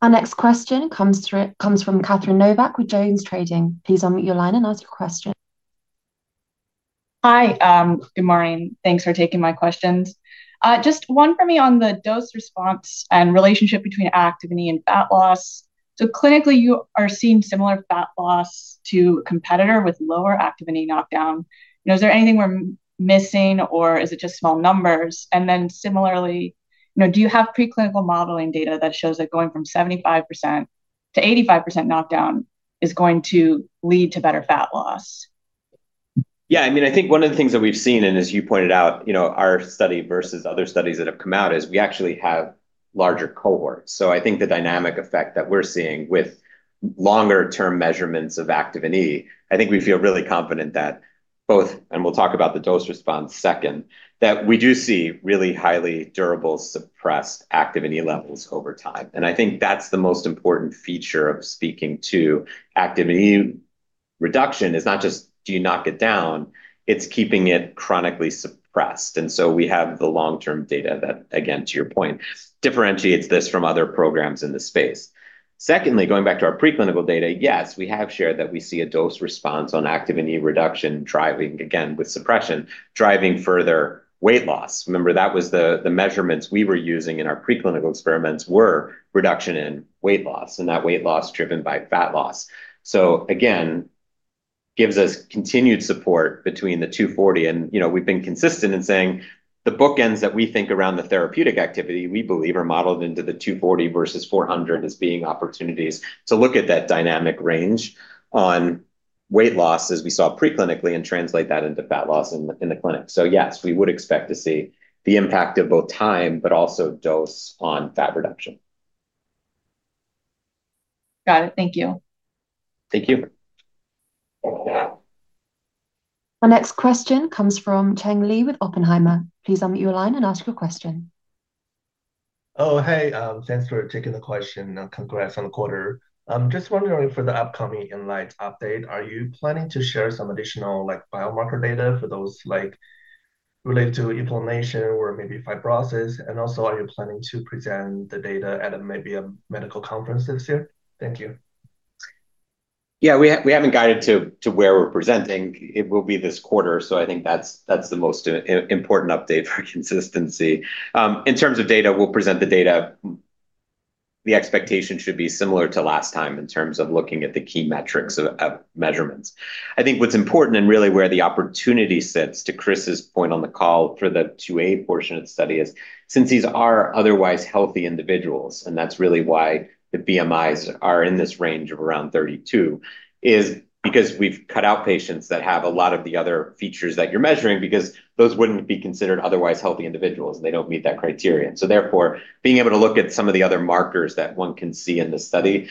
Speaker 1: Our next question comes from Catherine Novack with JonesTrading. Please unmute your line and ask your question.
Speaker 13: Hi, good morning. Thanks for taking my questions. Just one for me on the dose response and relationship between Activin E and fat loss. Clinically, you are seeing similar fat loss to competitor with lower Activin E knockdown. Is there anything we're missing, or is it just small numbers? Similarly, you know, do you have preclinical modeling data that shows that going from 75% to 85% knockdown is going to lead to better fat loss?
Speaker 3: Yeah, I mean, I think one of the things that we've seen, and as you pointed out, you know, our study versus other studies that have come out, is we actually have larger cohorts. I think the dynamic effect that we're seeing with longer-term measurements of Activin E, I think we feel really confident that both, and we'll talk about the dose response second, that we do see really highly durable, suppressed Activin E levels over time. I think that's the most important feature of speaking to Activin E reduction is not just, do you knock it down? It's keeping it chronically suppressed. We have the long-term data that, again, to your point, differentiates this from other programs in the space. Secondly, going back to our preclinical data, yes, we have shared that we see a dose response on Activin E reduction, driving, again, with suppression, driving further weight loss. Remember, that was the measurements we were using in our preclinical experiments were reduction in weight loss, and that weight loss driven by fat loss. Again, gives us continued support between the 240 and, you know, we've been consistent in saying the bookends that we think around the therapeutic activity, we believe, are modeled into the 240 versus 400 as being opportunities to look at that dynamic range on weight loss as we saw preclinically and translate that into fat loss in the clinic. Yes, we would expect to see the impact of both time, but also dose on fat reduction.
Speaker 13: Got it. Thank you.
Speaker 6: Thank you.
Speaker 1: Our next question comes from Cheng Li with Oppenheimer. Please unmute your line and ask your question.
Speaker 14: Oh, hey, thanks for taking the question, and congrats on the quarter. Just wondering for the upcoming INLIGHT update, are you planning to share some additional, like, biomarker data for those like, related to inflammation or maybe fibrosis? Are you planning to present the data at a, maybe a medical conference this year? Thank you.
Speaker 3: We haven't guided to where we're presenting. It will be this quarter. I think that's the most important update for consistency. In terms of data, we'll present the data. The expectation should be similar to last time in terms of looking at the key metrics of measurements. I think what's important and really where the opportunity sits, to Chris's point on the call for the 2a portion of the study, is since these are otherwise healthy individuals, and that's really why the BMIs are in this range of around 32, is because we've cut out patients that have a lot of the other features that you're measuring, because those wouldn't be considered otherwise healthy individuals, and they don't meet that criterion. Therefore, being able to look at some of the other markers that one can see in this study,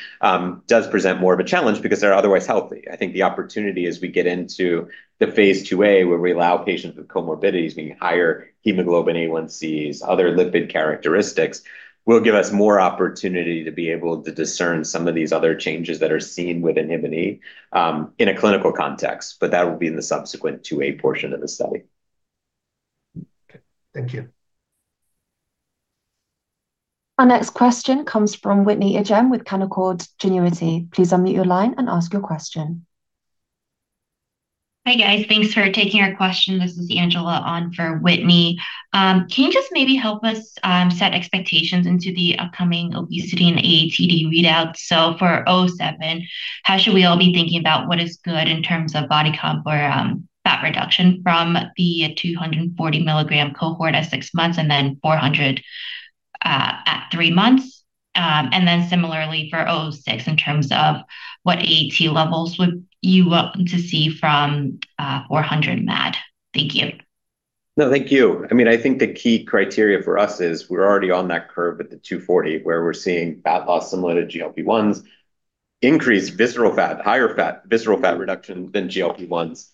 Speaker 3: does present more of a challenge because they're otherwise healthy. I think the opportunity as we get into the Phase IIa, where we allow patients with comorbidities, meaning higher Hemoglobin A1Cs, other lipid characteristics, will give us more opportunity to be able to discern some of these other changes that are seen with INHBE in a clinical context. That will be in the subsequent 2A portion of the study.
Speaker 14: Okay. Thank you.
Speaker 1: Our next question comes from Whitney Ijem with Canaccord Genuity. Please unmute your line and ask your question.
Speaker 15: Hi, guys. Thanks for taking our question. This is Angela on for Whitney. Can you just maybe help us set expectations into the upcoming obesity and AATD readout? For O seven, how should we all be thinking about what is good in terms of body comp or fat reduction from the 240 mg cohort at six months and then 400 at three months? Similarly for O six, in terms of what AAT levels would you want to see from 400 MAD? Thank you.
Speaker 3: No, thank you. I mean, I think the key criteria for us is we're already on that curve at the 240, where we're seeing fat loss similar to GLP-1s, increased visceral fat, higher visceral fat reduction than GLP-1s,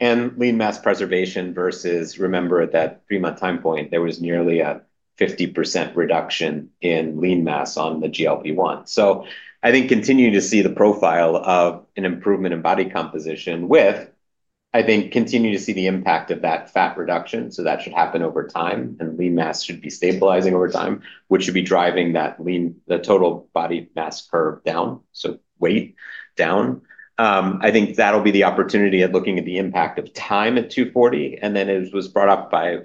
Speaker 3: and lean mass preservation versus. Remember, at that three months time point, there was nearly a 50% reduction in lean mass on the GLP-1. I think continuing to see the profile of an improvement in body composition with, continue to see the impact of that fat reduction, that should happen over time, and lean mass should be stabilizing over time, which should be driving the total body mass curve down, weight down. I think that'll be the opportunity at looking at the impact of time at 240, and then it was brought up by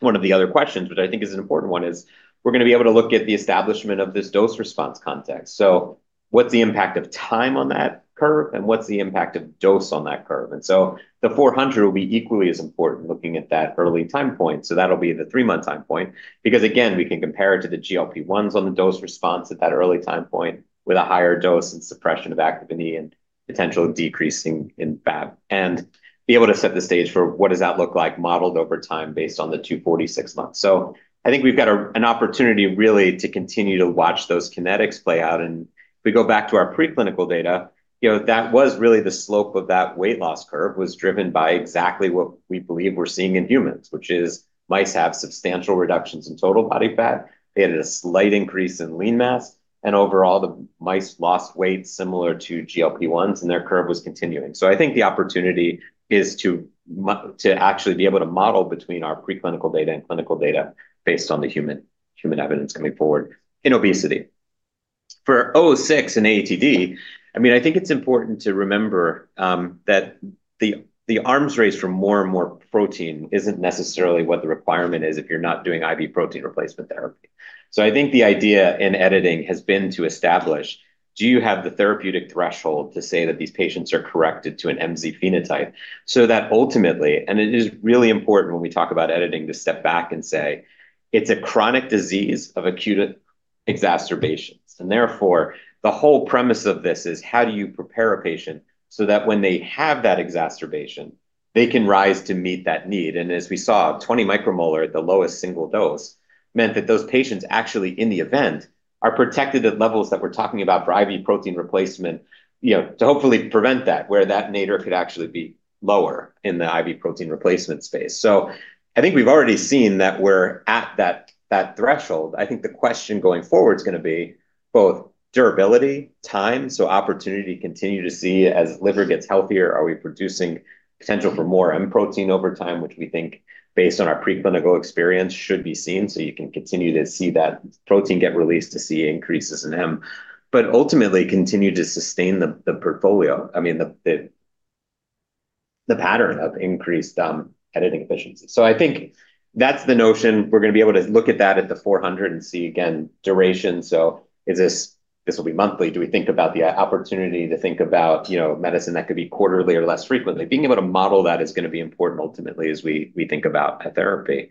Speaker 3: one of the other questions, which I think is an important one, is we're gonna be able to look at the establishment of this dose-response context. What's the impact of time on that curve, and what's the impact of dose on that curve? The 400 will be equally as important, looking at that early time point. That'll be the three months time point, because, again, we can compare it to the GLP-1s on the dose response at that early time point with a higher dose and suppression of Activin E and potential decreasing in fat, and be able to set the stage for what does that look like, modeled over time, based on the 240-6 months. I think we've got an opportunity really to continue to watch those kinetics play out, and if we go back to our preclinical data, you know, that was really the slope of that weight loss curve, was driven by exactly what we believe we're seeing in humans, which is mice have substantial reductions in total body fat. They had a slight increase in lean mass, and overall, the mice lost weight similar to GLP-1s, and their curve was continuing. I think the opportunity is to actually be able to model between our preclinical data and clinical data based on the human evidence coming forward in obesity. For WVE-006 and AATD, I mean, I think it's important to remember that the arms race for more and more protein isn't necessarily what the requirement is if you're not doing IV protein replacement therapy. I think the idea in editing has been to establish, do you have the therapeutic threshold to say that these patients are corrected to an MZ phenotype? That ultimately, and it is really important when we talk about editing, to step back and say it's a chronic disease of acute exacerbations. Therefore, the whole premise of this is how do you prepare a patient so that when they have that exacerbation, they can rise to meet that need? As we saw, 20 micromolar, the lowest single dose, meant that those patients actually in the event, are protected at levels that we're talking about for IV protein replacement, you know, to hopefully prevent that, where that nadir could actually be lower in the IV protein replacement space. I think we've already seen that we're at that threshold. I think the question going forward is going to be both durability, time, so opportunity to continue to see as liver gets healthier, are we producing potential for more M protein over time, which we think based on our preclinical experience, should be seen. You can continue to see that protein get released, to see increases in M, but ultimately continue to sustain the portfolio. I mean, the pattern of increased editing efficiency. I think that's the notion. We're going to be able to look at that at the 400 and see again, duration. This will be monthly. Do we think about the opportunity to think about, you know, medicine that could be quarterly or less frequently? Being able to model that is going to be important ultimately, as we think about a therapy.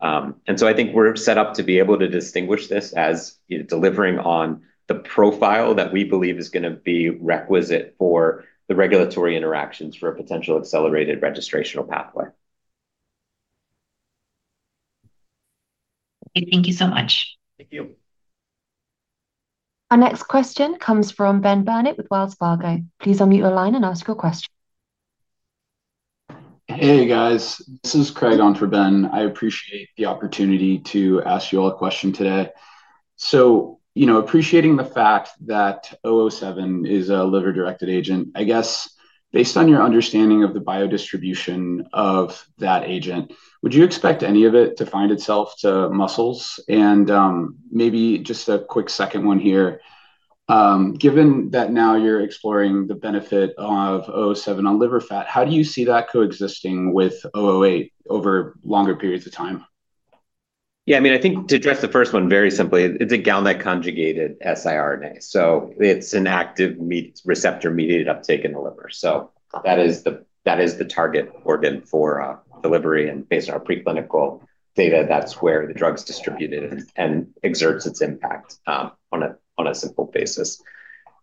Speaker 3: I think we're set up to be able to distinguish this as delivering on the profile that we believe is going to be requisite for the regulatory interactions for a potential accelerated registrational pathway.
Speaker 16: Thank you so much.
Speaker 3: Thank you.
Speaker 1: Our next question comes from Benjamin Burnett with Wells Fargo. Please unmute your line and ask your question.
Speaker 17: Hey, guys, this is Craig on for Ben. I appreciate the opportunity to ask you all a question today. You know, appreciating the fact that WVE-007 is a liver-directed agent, I guess, based on your understanding of the biodistribution of that agent, would you expect any of it to find itself to muscles? Maybe just a quick second one here. Given that now you're exploring the benefit of WVE-007 on liver fat, how do you see that coexisting with WVE-008 over longer periods of time?
Speaker 3: Yeah, I mean, I think to address the first one very simply, it's a GalNAc conjugated siRNA, it's an active receptor-mediated uptake in the liver. That is the target organ for delivery, and based on our preclinical data, that's where the drug's distributed and exerts its impact on a simple basis.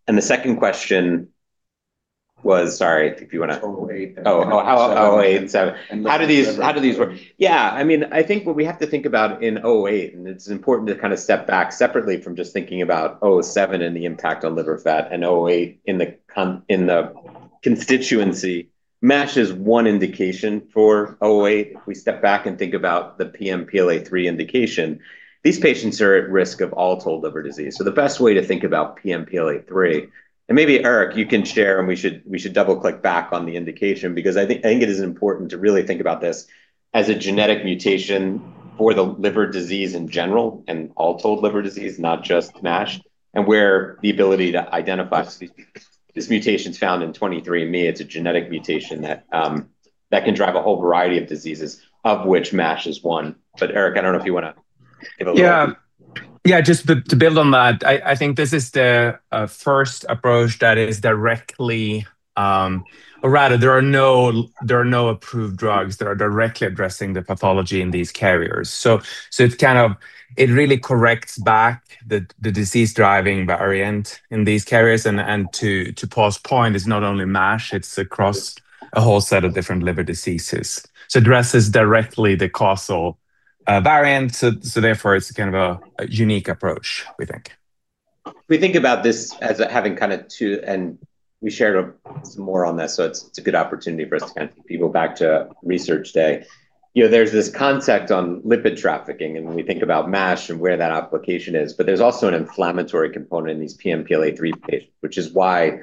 Speaker 3: The second question was. Sorry if you want to-
Speaker 18: O08.
Speaker 3: O08. How do these, how do these work? I mean, I think what we have to think about in O08, and it's important to kind of step back separately from just thinking about O07 and the impact on liver fat and O08 in the constituency, MASH is one indication for O08. If we step back and think about the PNPLA3 indication, these patients are at risk of all told, liver disease. The best way to think about PNPLA3, and maybe, Erik, you can share, and we should double-click back on the indication, because I think it is important to really think about this as a genetic mutation for the liver disease in general, and all told, liver disease, not just MASH, and where the ability to identify this mutation is found in 23andMe. It's a genetic mutation that can drive a whole variety of diseases, of which MASH is one. Erik, I don't know if you want to give.
Speaker 19: Yeah. Just to build on that, I think this is the first approach that is directly, or rather, there are no approved drugs that are directly addressing the pathology in these carriers. It's kind of... It really corrects back the disease-driving variant in these carriers. To Paul's point, it's not only MASH, it's across a whole set of different liver diseases. It addresses directly the causal variant. Therefore, it's kind of a unique approach, we think.
Speaker 3: We think about this as having kind of two, we shared some more on this, so it's a good opportunity for us to kind of go back to research day. You know, there's this concept on lipid trafficking, when we think about MASH and where that application is, but there's also an inflammatory component in these PNPLA3 patients, which is why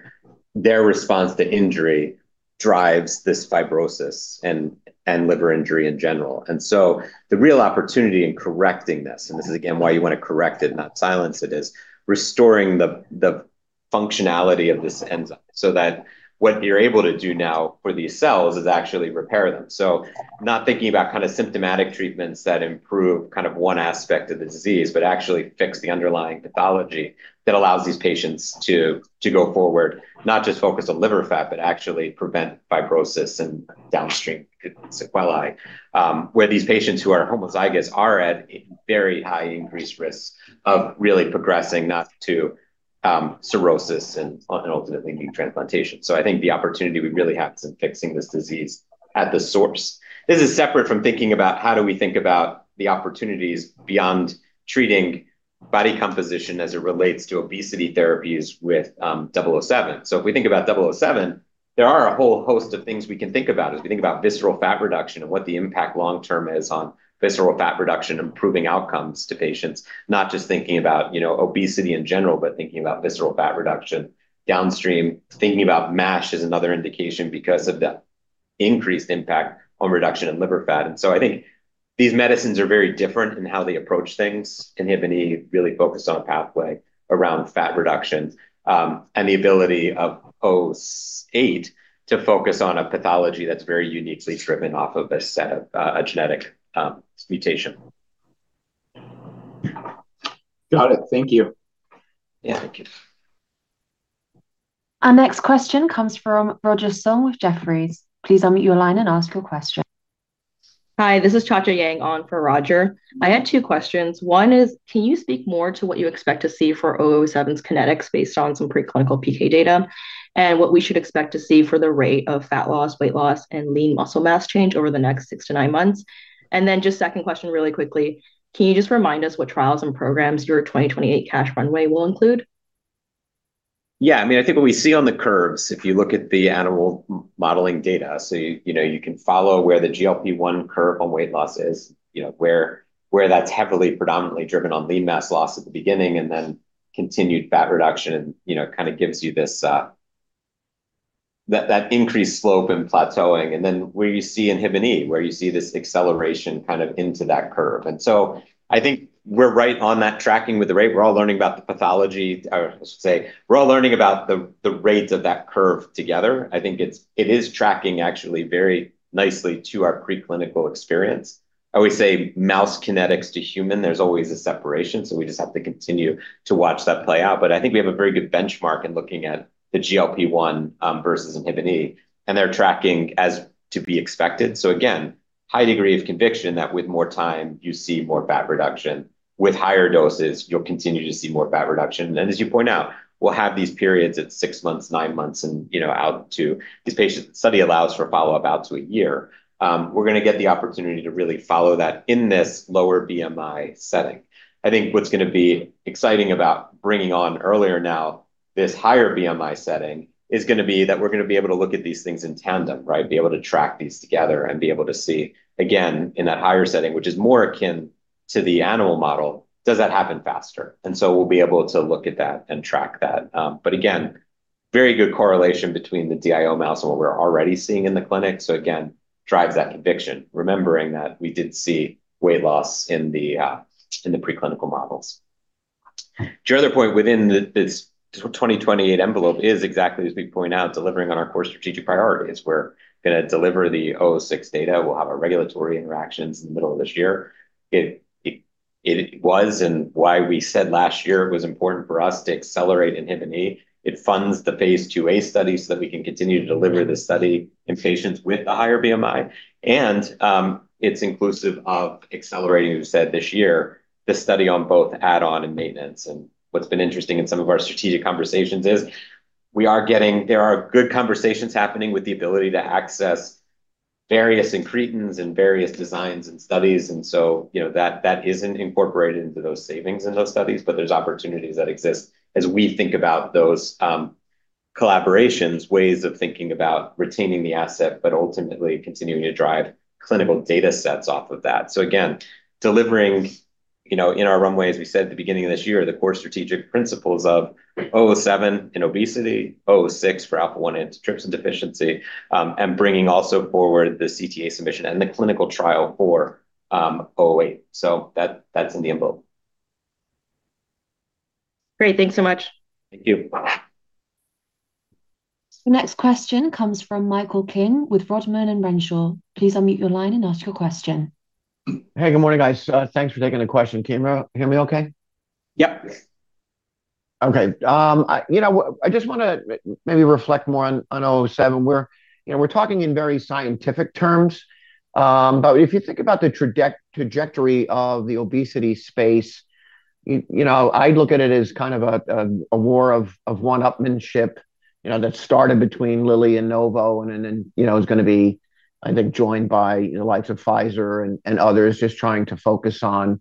Speaker 3: their response to injury drives this fibrosis and liver injury in general. The real opportunity in correcting this is again, why you want to correct it, not silence it, is restoring the functionality of this enzyme, so that what you're able to do now for these cells is actually repair them. Not thinking about kind of symptomatic treatments that improve kind of one aspect of the disease, but actually fix the underlying pathology that allows these patients to go forward, not just focus on liver fat, but actually prevent fibrosis and downstream sequelae. Where these patients who are homozygous are at a very high increased risk of really progressing, not to cirrhosis and ultimately new transplantation. I think the opportunity we really have is in fixing this disease at the source. This is separate from thinking about how do we think about the opportunities beyond treating body composition as it relates to obesity therapies with WVE-007. If we think about WVE-007, there are a whole host of things we can think about. If we think about visceral fat reduction and what the impact long-term is on visceral fat reduction, improving outcomes to patients, not just thinking about, you know, obesity in general, but thinking about visceral fat reduction downstream. Thinking about MASH is another indication because of the increased impact on reduction in liver fat. I think these medicines are very different in how they approach things. Inhibin E really focused on a pathway around fat reduction, and the ability of 008 to focus on a pathology that's very uniquely driven off of a set of a genetic mutation.
Speaker 18: Got it. Thank you.
Speaker 6: Yeah, thank you.
Speaker 1: Our next question comes from Roger Song with Jefferies. Please unmute your line and ask your question.
Speaker 20: Hi, this is ChaCha Yang on for Roger. I had two questions. One is, can you speak more to what you expect to see for WVE-007's kinetics based on some preclinical PK data, and what we should expect to see for the rate of fat loss, weight loss, and lean muscle mass change over the next six to nine months? Just second question, really quickly, can you just remind us what trials and programs your 2028 cash runway will include?
Speaker 3: I mean, I think what we see on the curves, if you look at the animal modeling data, you know, you can follow where the GLP-1 curve on weight loss is, you know, where that's heavily predominantly driven on lean mass loss at the beginning and then continued fat reduction, and, you know, kind of gives you this, that increased slope and plateauing. Then where you see Activin E, where you see this acceleration kind of into that curve. I think we're right on that tracking with the rate. We're all learning about the pathology, or I should say, we're all learning about the rates of that curve together. I think it is tracking actually very nicely to our preclinical experience. I always say mouse kinetics to human, there's always a separation, we just have to continue to watch that play out. I think we have a very good benchmark in looking at the GLP-1 versus Activin E, and they're tracking as to be expected. Again, high degree of conviction that with more time, you see more fat reduction. With higher doses, you'll continue to see more fat reduction. As you point out, we'll have these periods at six months, nine months, and, you know, out to. This patient study allows for a follow-up out to a year. We're going to get the opportunity to really follow that in this lower BMI setting. I think what's going to be exciting about bringing on earlier now, this higher BMI setting, is going to be that we're going to be able to look at these things in tandem, right? Be able to track these together and be able to see, again, in that higher setting, which is more akin to the animal model, does that happen faster? We'll be able to look at that and track that. Again, very good correlation between the DIO mouse and what we're already seeing in the clinic. Again, drives that conviction, remembering that we did see weight loss in the preclinical models. To your other point, within this 2028 envelope is exactly, as we point out, delivering on our core strategic priorities. We're going to deliver the 06 data. We'll have our regulatory interactions in the middle of this year. It was and why we said last year it was important for us to accelerate Activin E. It funds the Phase IIa study so that we can continue to deliver this study in patients with a higher BMI, and it's inclusive of accelerating. We've said this year, this study on both add-on and maintenance. What's been interesting in some of our strategic conversations is we are getting there are good conversations happening with the ability to access various incretins and various designs and studies. You know, that isn't incorporated into those savings in those studies, but there's opportunities that exist as we think about those collaborations, ways of thinking about retaining the asset, but ultimately continuing to drive clinical data sets off of that. Again, delivering, you know, in our runway, as we said at the beginning of this year, the core strategic principles of WVE-007 in obesity, WVE-006 for alpha-1 antitrypsin deficiency, and bringing also forward the CTA submission and the clinical trial for WVE-008. That's in the envelope.
Speaker 20: Great. Thanks so much.
Speaker 3: Thank you.
Speaker 1: The next question comes from Michael King with Rodman & Renshaw. Please unmute your line and ask your question.
Speaker 21: Hey, good morning, guys. Thanks for taking the question. Can you hear me okay?
Speaker 3: Yep.
Speaker 21: Okay, I, you know, I just want to maybe reflect more on 07, where, you know, we're talking in very scientific terms. If you think about the trajectory of the obesity space, you know, I look at it as kind of a war of one-upmanship, you know, that started between Lilly and Novo, then, you know, is going to be, I think, joined by the likes of Pfizer and others, just trying to focus on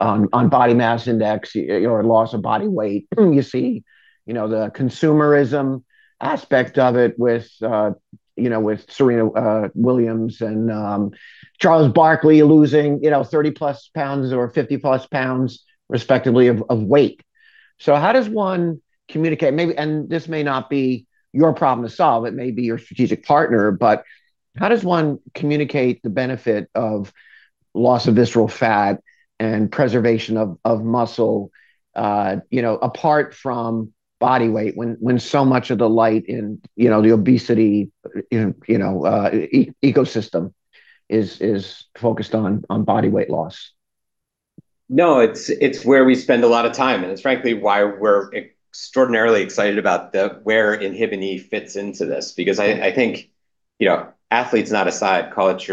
Speaker 21: body mass index or loss of body weight. You see, you know, the consumerism aspect of it with, you know, with Serena Williams and Charles Barkley losing, you know, 30-plus pounds or 50-plus pounds, respectively, of weight. How does one communicate maybe, and this may not be your problem to solve, it may be your strategic partner, but how does one communicate the benefit of loss of visceral fat and preservation of muscle, you know, apart from body weight, when so much of the light in, you know, the obesity, you know, ecosystem is focused on body weight loss?
Speaker 3: No, it's where we spend a lot of time, and it's frankly why we're extraordinarily excited about where Inhibin E fits into this. I think, you know, athletes not aside, call it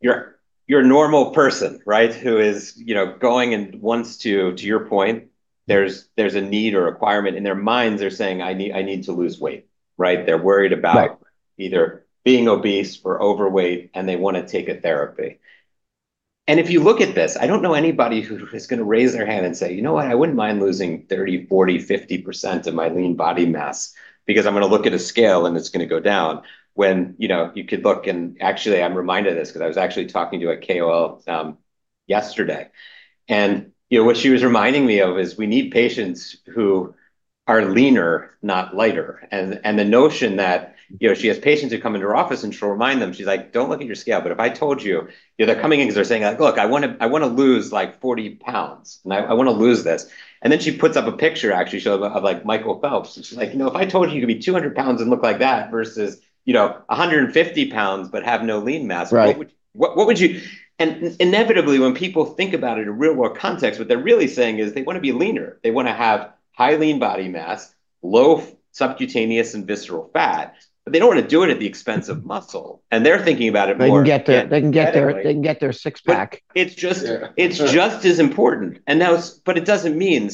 Speaker 3: your normal person, right? Who is, you know, going and wants to your point, there's a need or requirement. In their minds, they're saying, "I need to lose weight." Right? They're worried about.
Speaker 21: Right
Speaker 3: Either being obese or overweight, and they want to take a therapy. If you look at this, I don't know anybody who is going to raise their hand and say, "You know what? I wouldn't mind losing 30%, 40%, 50% of my lean body mass, because I'm going to look at a scale and it's going to go down." When, you know, you could look, and actually I'm reminded of this because I was actually talking to a KOL, yesterday. You know, what she was reminding me of is we need patients who are leaner, not lighter. The notion that, you know, she has patients who come into her office, and she'll remind them, she's like: "Don't look at your scale." If I told you know, they're coming in because they're saying like: "Look, I want to, I want to lose, like, 40 pounds, and I want to lose this." Then she puts up a picture, actually, of, like, Michael Phelps, and she's like: "You know, if I told you could be 200 pounds and look like that, versus, you know, 150 pounds, but have no lean mass-
Speaker 21: Right.
Speaker 3: What would you. Inevitably, when people think about it in a real-world context, what they're really saying is they want to be leaner. They want to have high lean body mass, low subcutaneous and visceral fat, but they don't want to do it at the expense of muscle, and they're thinking about it more.
Speaker 21: They can get their six-pack.
Speaker 6: It's just-
Speaker 21: Yeah.
Speaker 3: it's just as important. It doesn't mean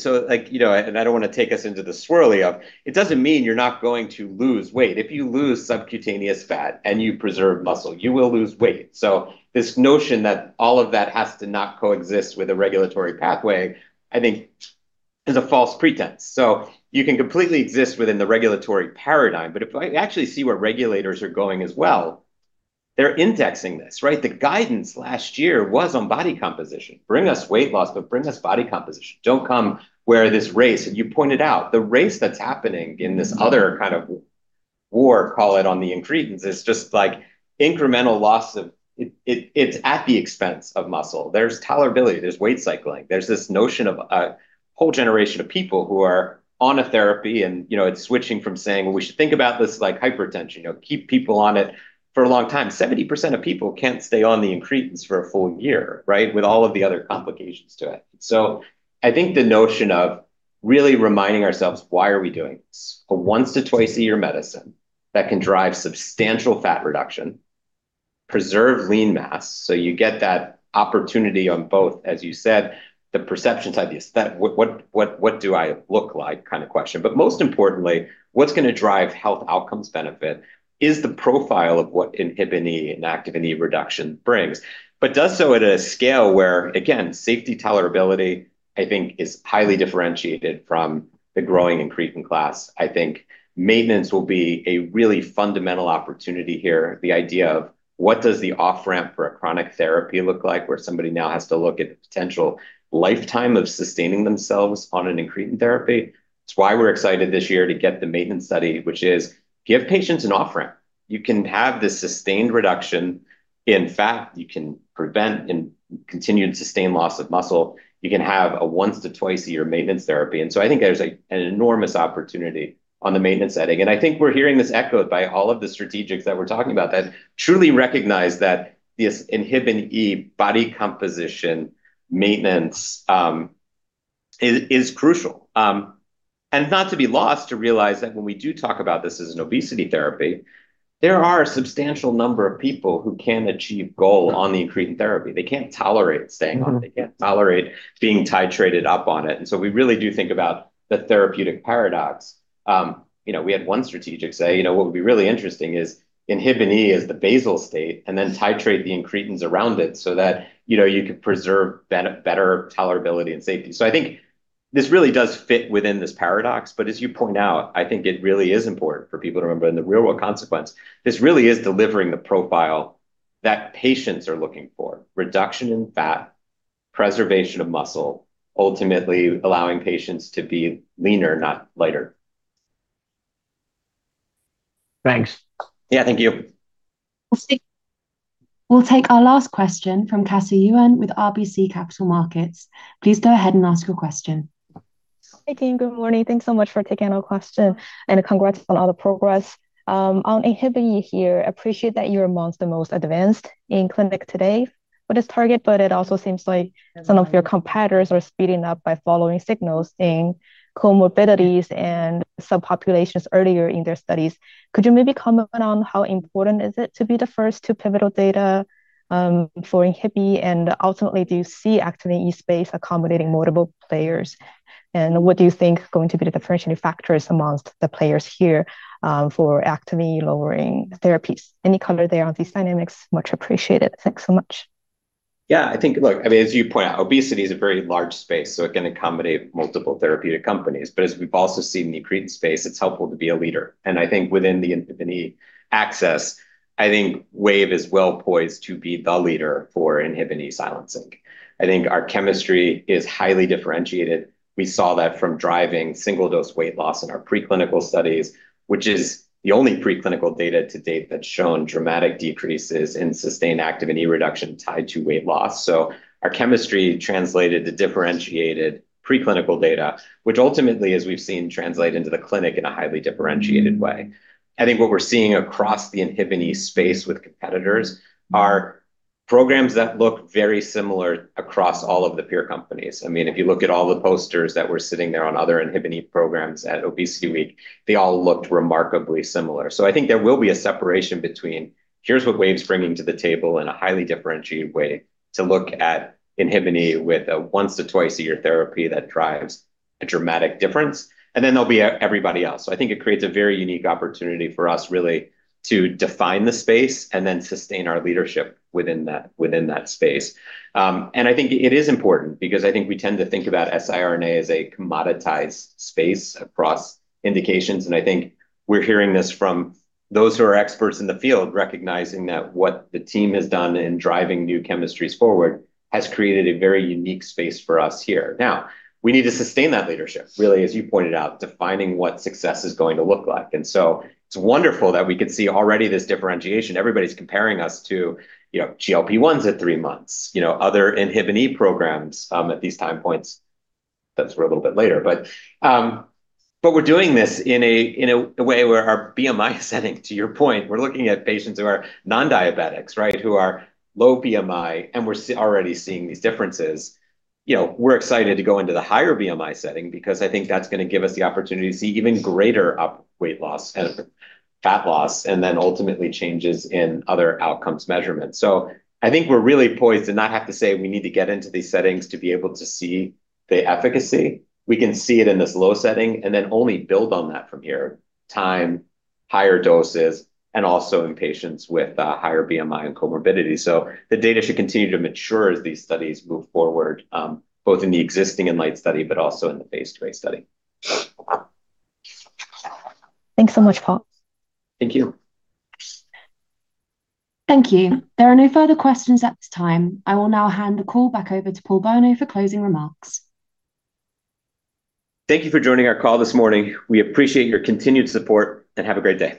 Speaker 3: you're not going to lose weight. If you lose subcutaneous fat and you preserve muscle, you will lose weight. This notion that all of that has to not coexist with a regulatory pathway, I think is a false pretense. You can completely exist within the regulatory paradigm, if you actually see where regulators are going as well, they're indexing this, right? The guidance last year was on body composition. Bring us weight loss, but bring us body composition. Don't come where this race, and you pointed out, the race that's happening in this other kind of war, call it, on the incretins, is just like incremental loss of... It's at the expense of muscle. There's tolerability, there's weight cycling. There's this notion of a whole generation of people who are on a therapy. You know, it's switching from saying, "Well, we should think about this like hypertension," you know, keep people on it for a long time. 70% of people can't stay on the incretins for a full year, right? With all of the other complications to it. I think the notion of really reminding ourselves, why are we doing this? A once to two times a year medicine that can drive substantial fat reduction, preserve lean mass, so you get that opportunity on both, as you said, the perception side, the aesthetic, what do I look like, kind of question. Most importantly, what's going to drive health outcomes benefit is the profile of what INHBE and Activin E reduction brings. Does so at a scale where, again, safety tolerability, I think, is highly differentiated from the growing incretin class. I think maintenance will be a really fundamental opportunity here. The idea of what does the off-ramp for a chronic therapy look like, where somebody now has to look at the potential lifetime of sustaining themselves on an incretin therapy. It's why we're excited this year to get the maintenance study, which is give patients an off-ramp. You can have this sustained reduction in fat, you can prevent and continue to sustain loss of muscle. You can have a once to twice a year maintenance therapy. I think there's, like, an enormous opportunity on the maintenance setting. I think we're hearing this echoed by all of the strategics that we're talking about, that truly recognize that this INHBE body composition maintenance is crucial. Not to be lost, to realize that when we do talk about this as an obesity therapy, there are a substantial number of people who can achieve goal on the incretin therapy. They can't tolerate staying on it. They can't tolerate being titrated up on it. We really do think about the therapeutic paradox. We had one strategic say, you know, what would be really interesting is INHBE is the basal state, and then titrate the incretins around it so that, you know, you could preserve better tolerability and safety. I think this really does fit within this paradox, but as you point out, I think it really is important for people to remember, in the real world consequence, this really is delivering the profile that patients are looking for. Reduction in fat, preservation of muscle, ultimately allowing patients to be leaner, not lighter.
Speaker 21: Thanks.
Speaker 6: Yeah, thank you.
Speaker 1: We'll take our last question from Lillian Yuen-Ho with RBC Capital Markets. Please go ahead and ask your question.
Speaker 22: Hey, team, good morning. Thanks so much for taking our question. Congrats on all the progress. On inhibin E here, appreciate that you're amongst the most advanced in clinic today with this target, but it also seems like some of your competitors are speeding up by following signals in comorbidities and subpopulations earlier in their studies. Could you maybe comment on how important is it to be the first to pivotal data for inhibin E, and ultimately, do you see Activin E space accommodating multiple players? What do you think is going to be the differentiating factors amongst the players here for Activin E lowering therapies? Any color there on these dynamics, much appreciated. Thanks so much.
Speaker 3: Yeah, I think, look, I mean, as you point out, obesity is a very large space, so it can accommodate multiple therapeutic companies. As we've also seen in the incretin space, it's helpful to be a leader. I think within the INHBE access, I think Wave is well poised to be the leader for INHBE silencing. I think our chemistry is highly differentiated. We saw that from driving single-dose weight loss in our preclinical studies, which is the only preclinical data to date that's shown dramatic decreases in sustained Activin E reduction tied to weight loss. Our chemistry translated to differentiated preclinical data, which ultimately, as we've seen, translate into the clinic in a highly differentiated way. I think what we're seeing across the INHBE space with competitors are programs that look very similar across all of the peer companies. I mean, if you look at all the posters that were sitting there on other inhibin E programs at ObesityWeek, they all looked remarkably similar. I think there will be a separation between here's what Wave's bringing to the table in a highly differentiated way, to look at inhibin E with a once to twice a year therapy that drives a dramatic difference, and then there'll be everybody else. I think it creates a very unique opportunity for us, really, to define the space and then sustain our leadership within that space. I think it is important because I think we tend to think about siRNA as a commoditized space across indications, and I think we're hearing this from those who are experts in the field, recognizing that what the team has done in driving new chemistries forward has created a very unique space for us here. Now, we need to sustain that leadership, really, as you pointed out, defining what success is going to look like. It's wonderful that we could see already this differentiation. Everybody's comparing us to, you know, GLP-1s at three months, you know, other INHBE programs at these time points that were a little bit later. We're doing this in a way where our BMI setting, to your point, we're looking at patients who are non-diabetics, right? Who are low BMI, and we're already seeing these differences. You know, we're excited to go into the higher BMI setting because I think that's going to give us the opportunity to see even greater weight loss and fat loss, and then ultimately changes in other outcomes measurements. I think we're really poised to not have to say we need to get into these settings to be able to see the efficacy. We can see it in this low setting, and then only build on that from here. Time, higher doses, and also in patients with higher BMI and comorbidity. The data should continue to mature as these studies move forward, both in the existing INLIGHT study, but also in the Phase IIa study.
Speaker 22: Thanks so much, Paul.
Speaker 3: Thank you.
Speaker 1: Thank you. There are no further questions at this time. I will now hand the call back over to Paul Bolno for closing remarks.
Speaker 3: Thank you for joining our call this morning. We appreciate your continued support. Have a great day.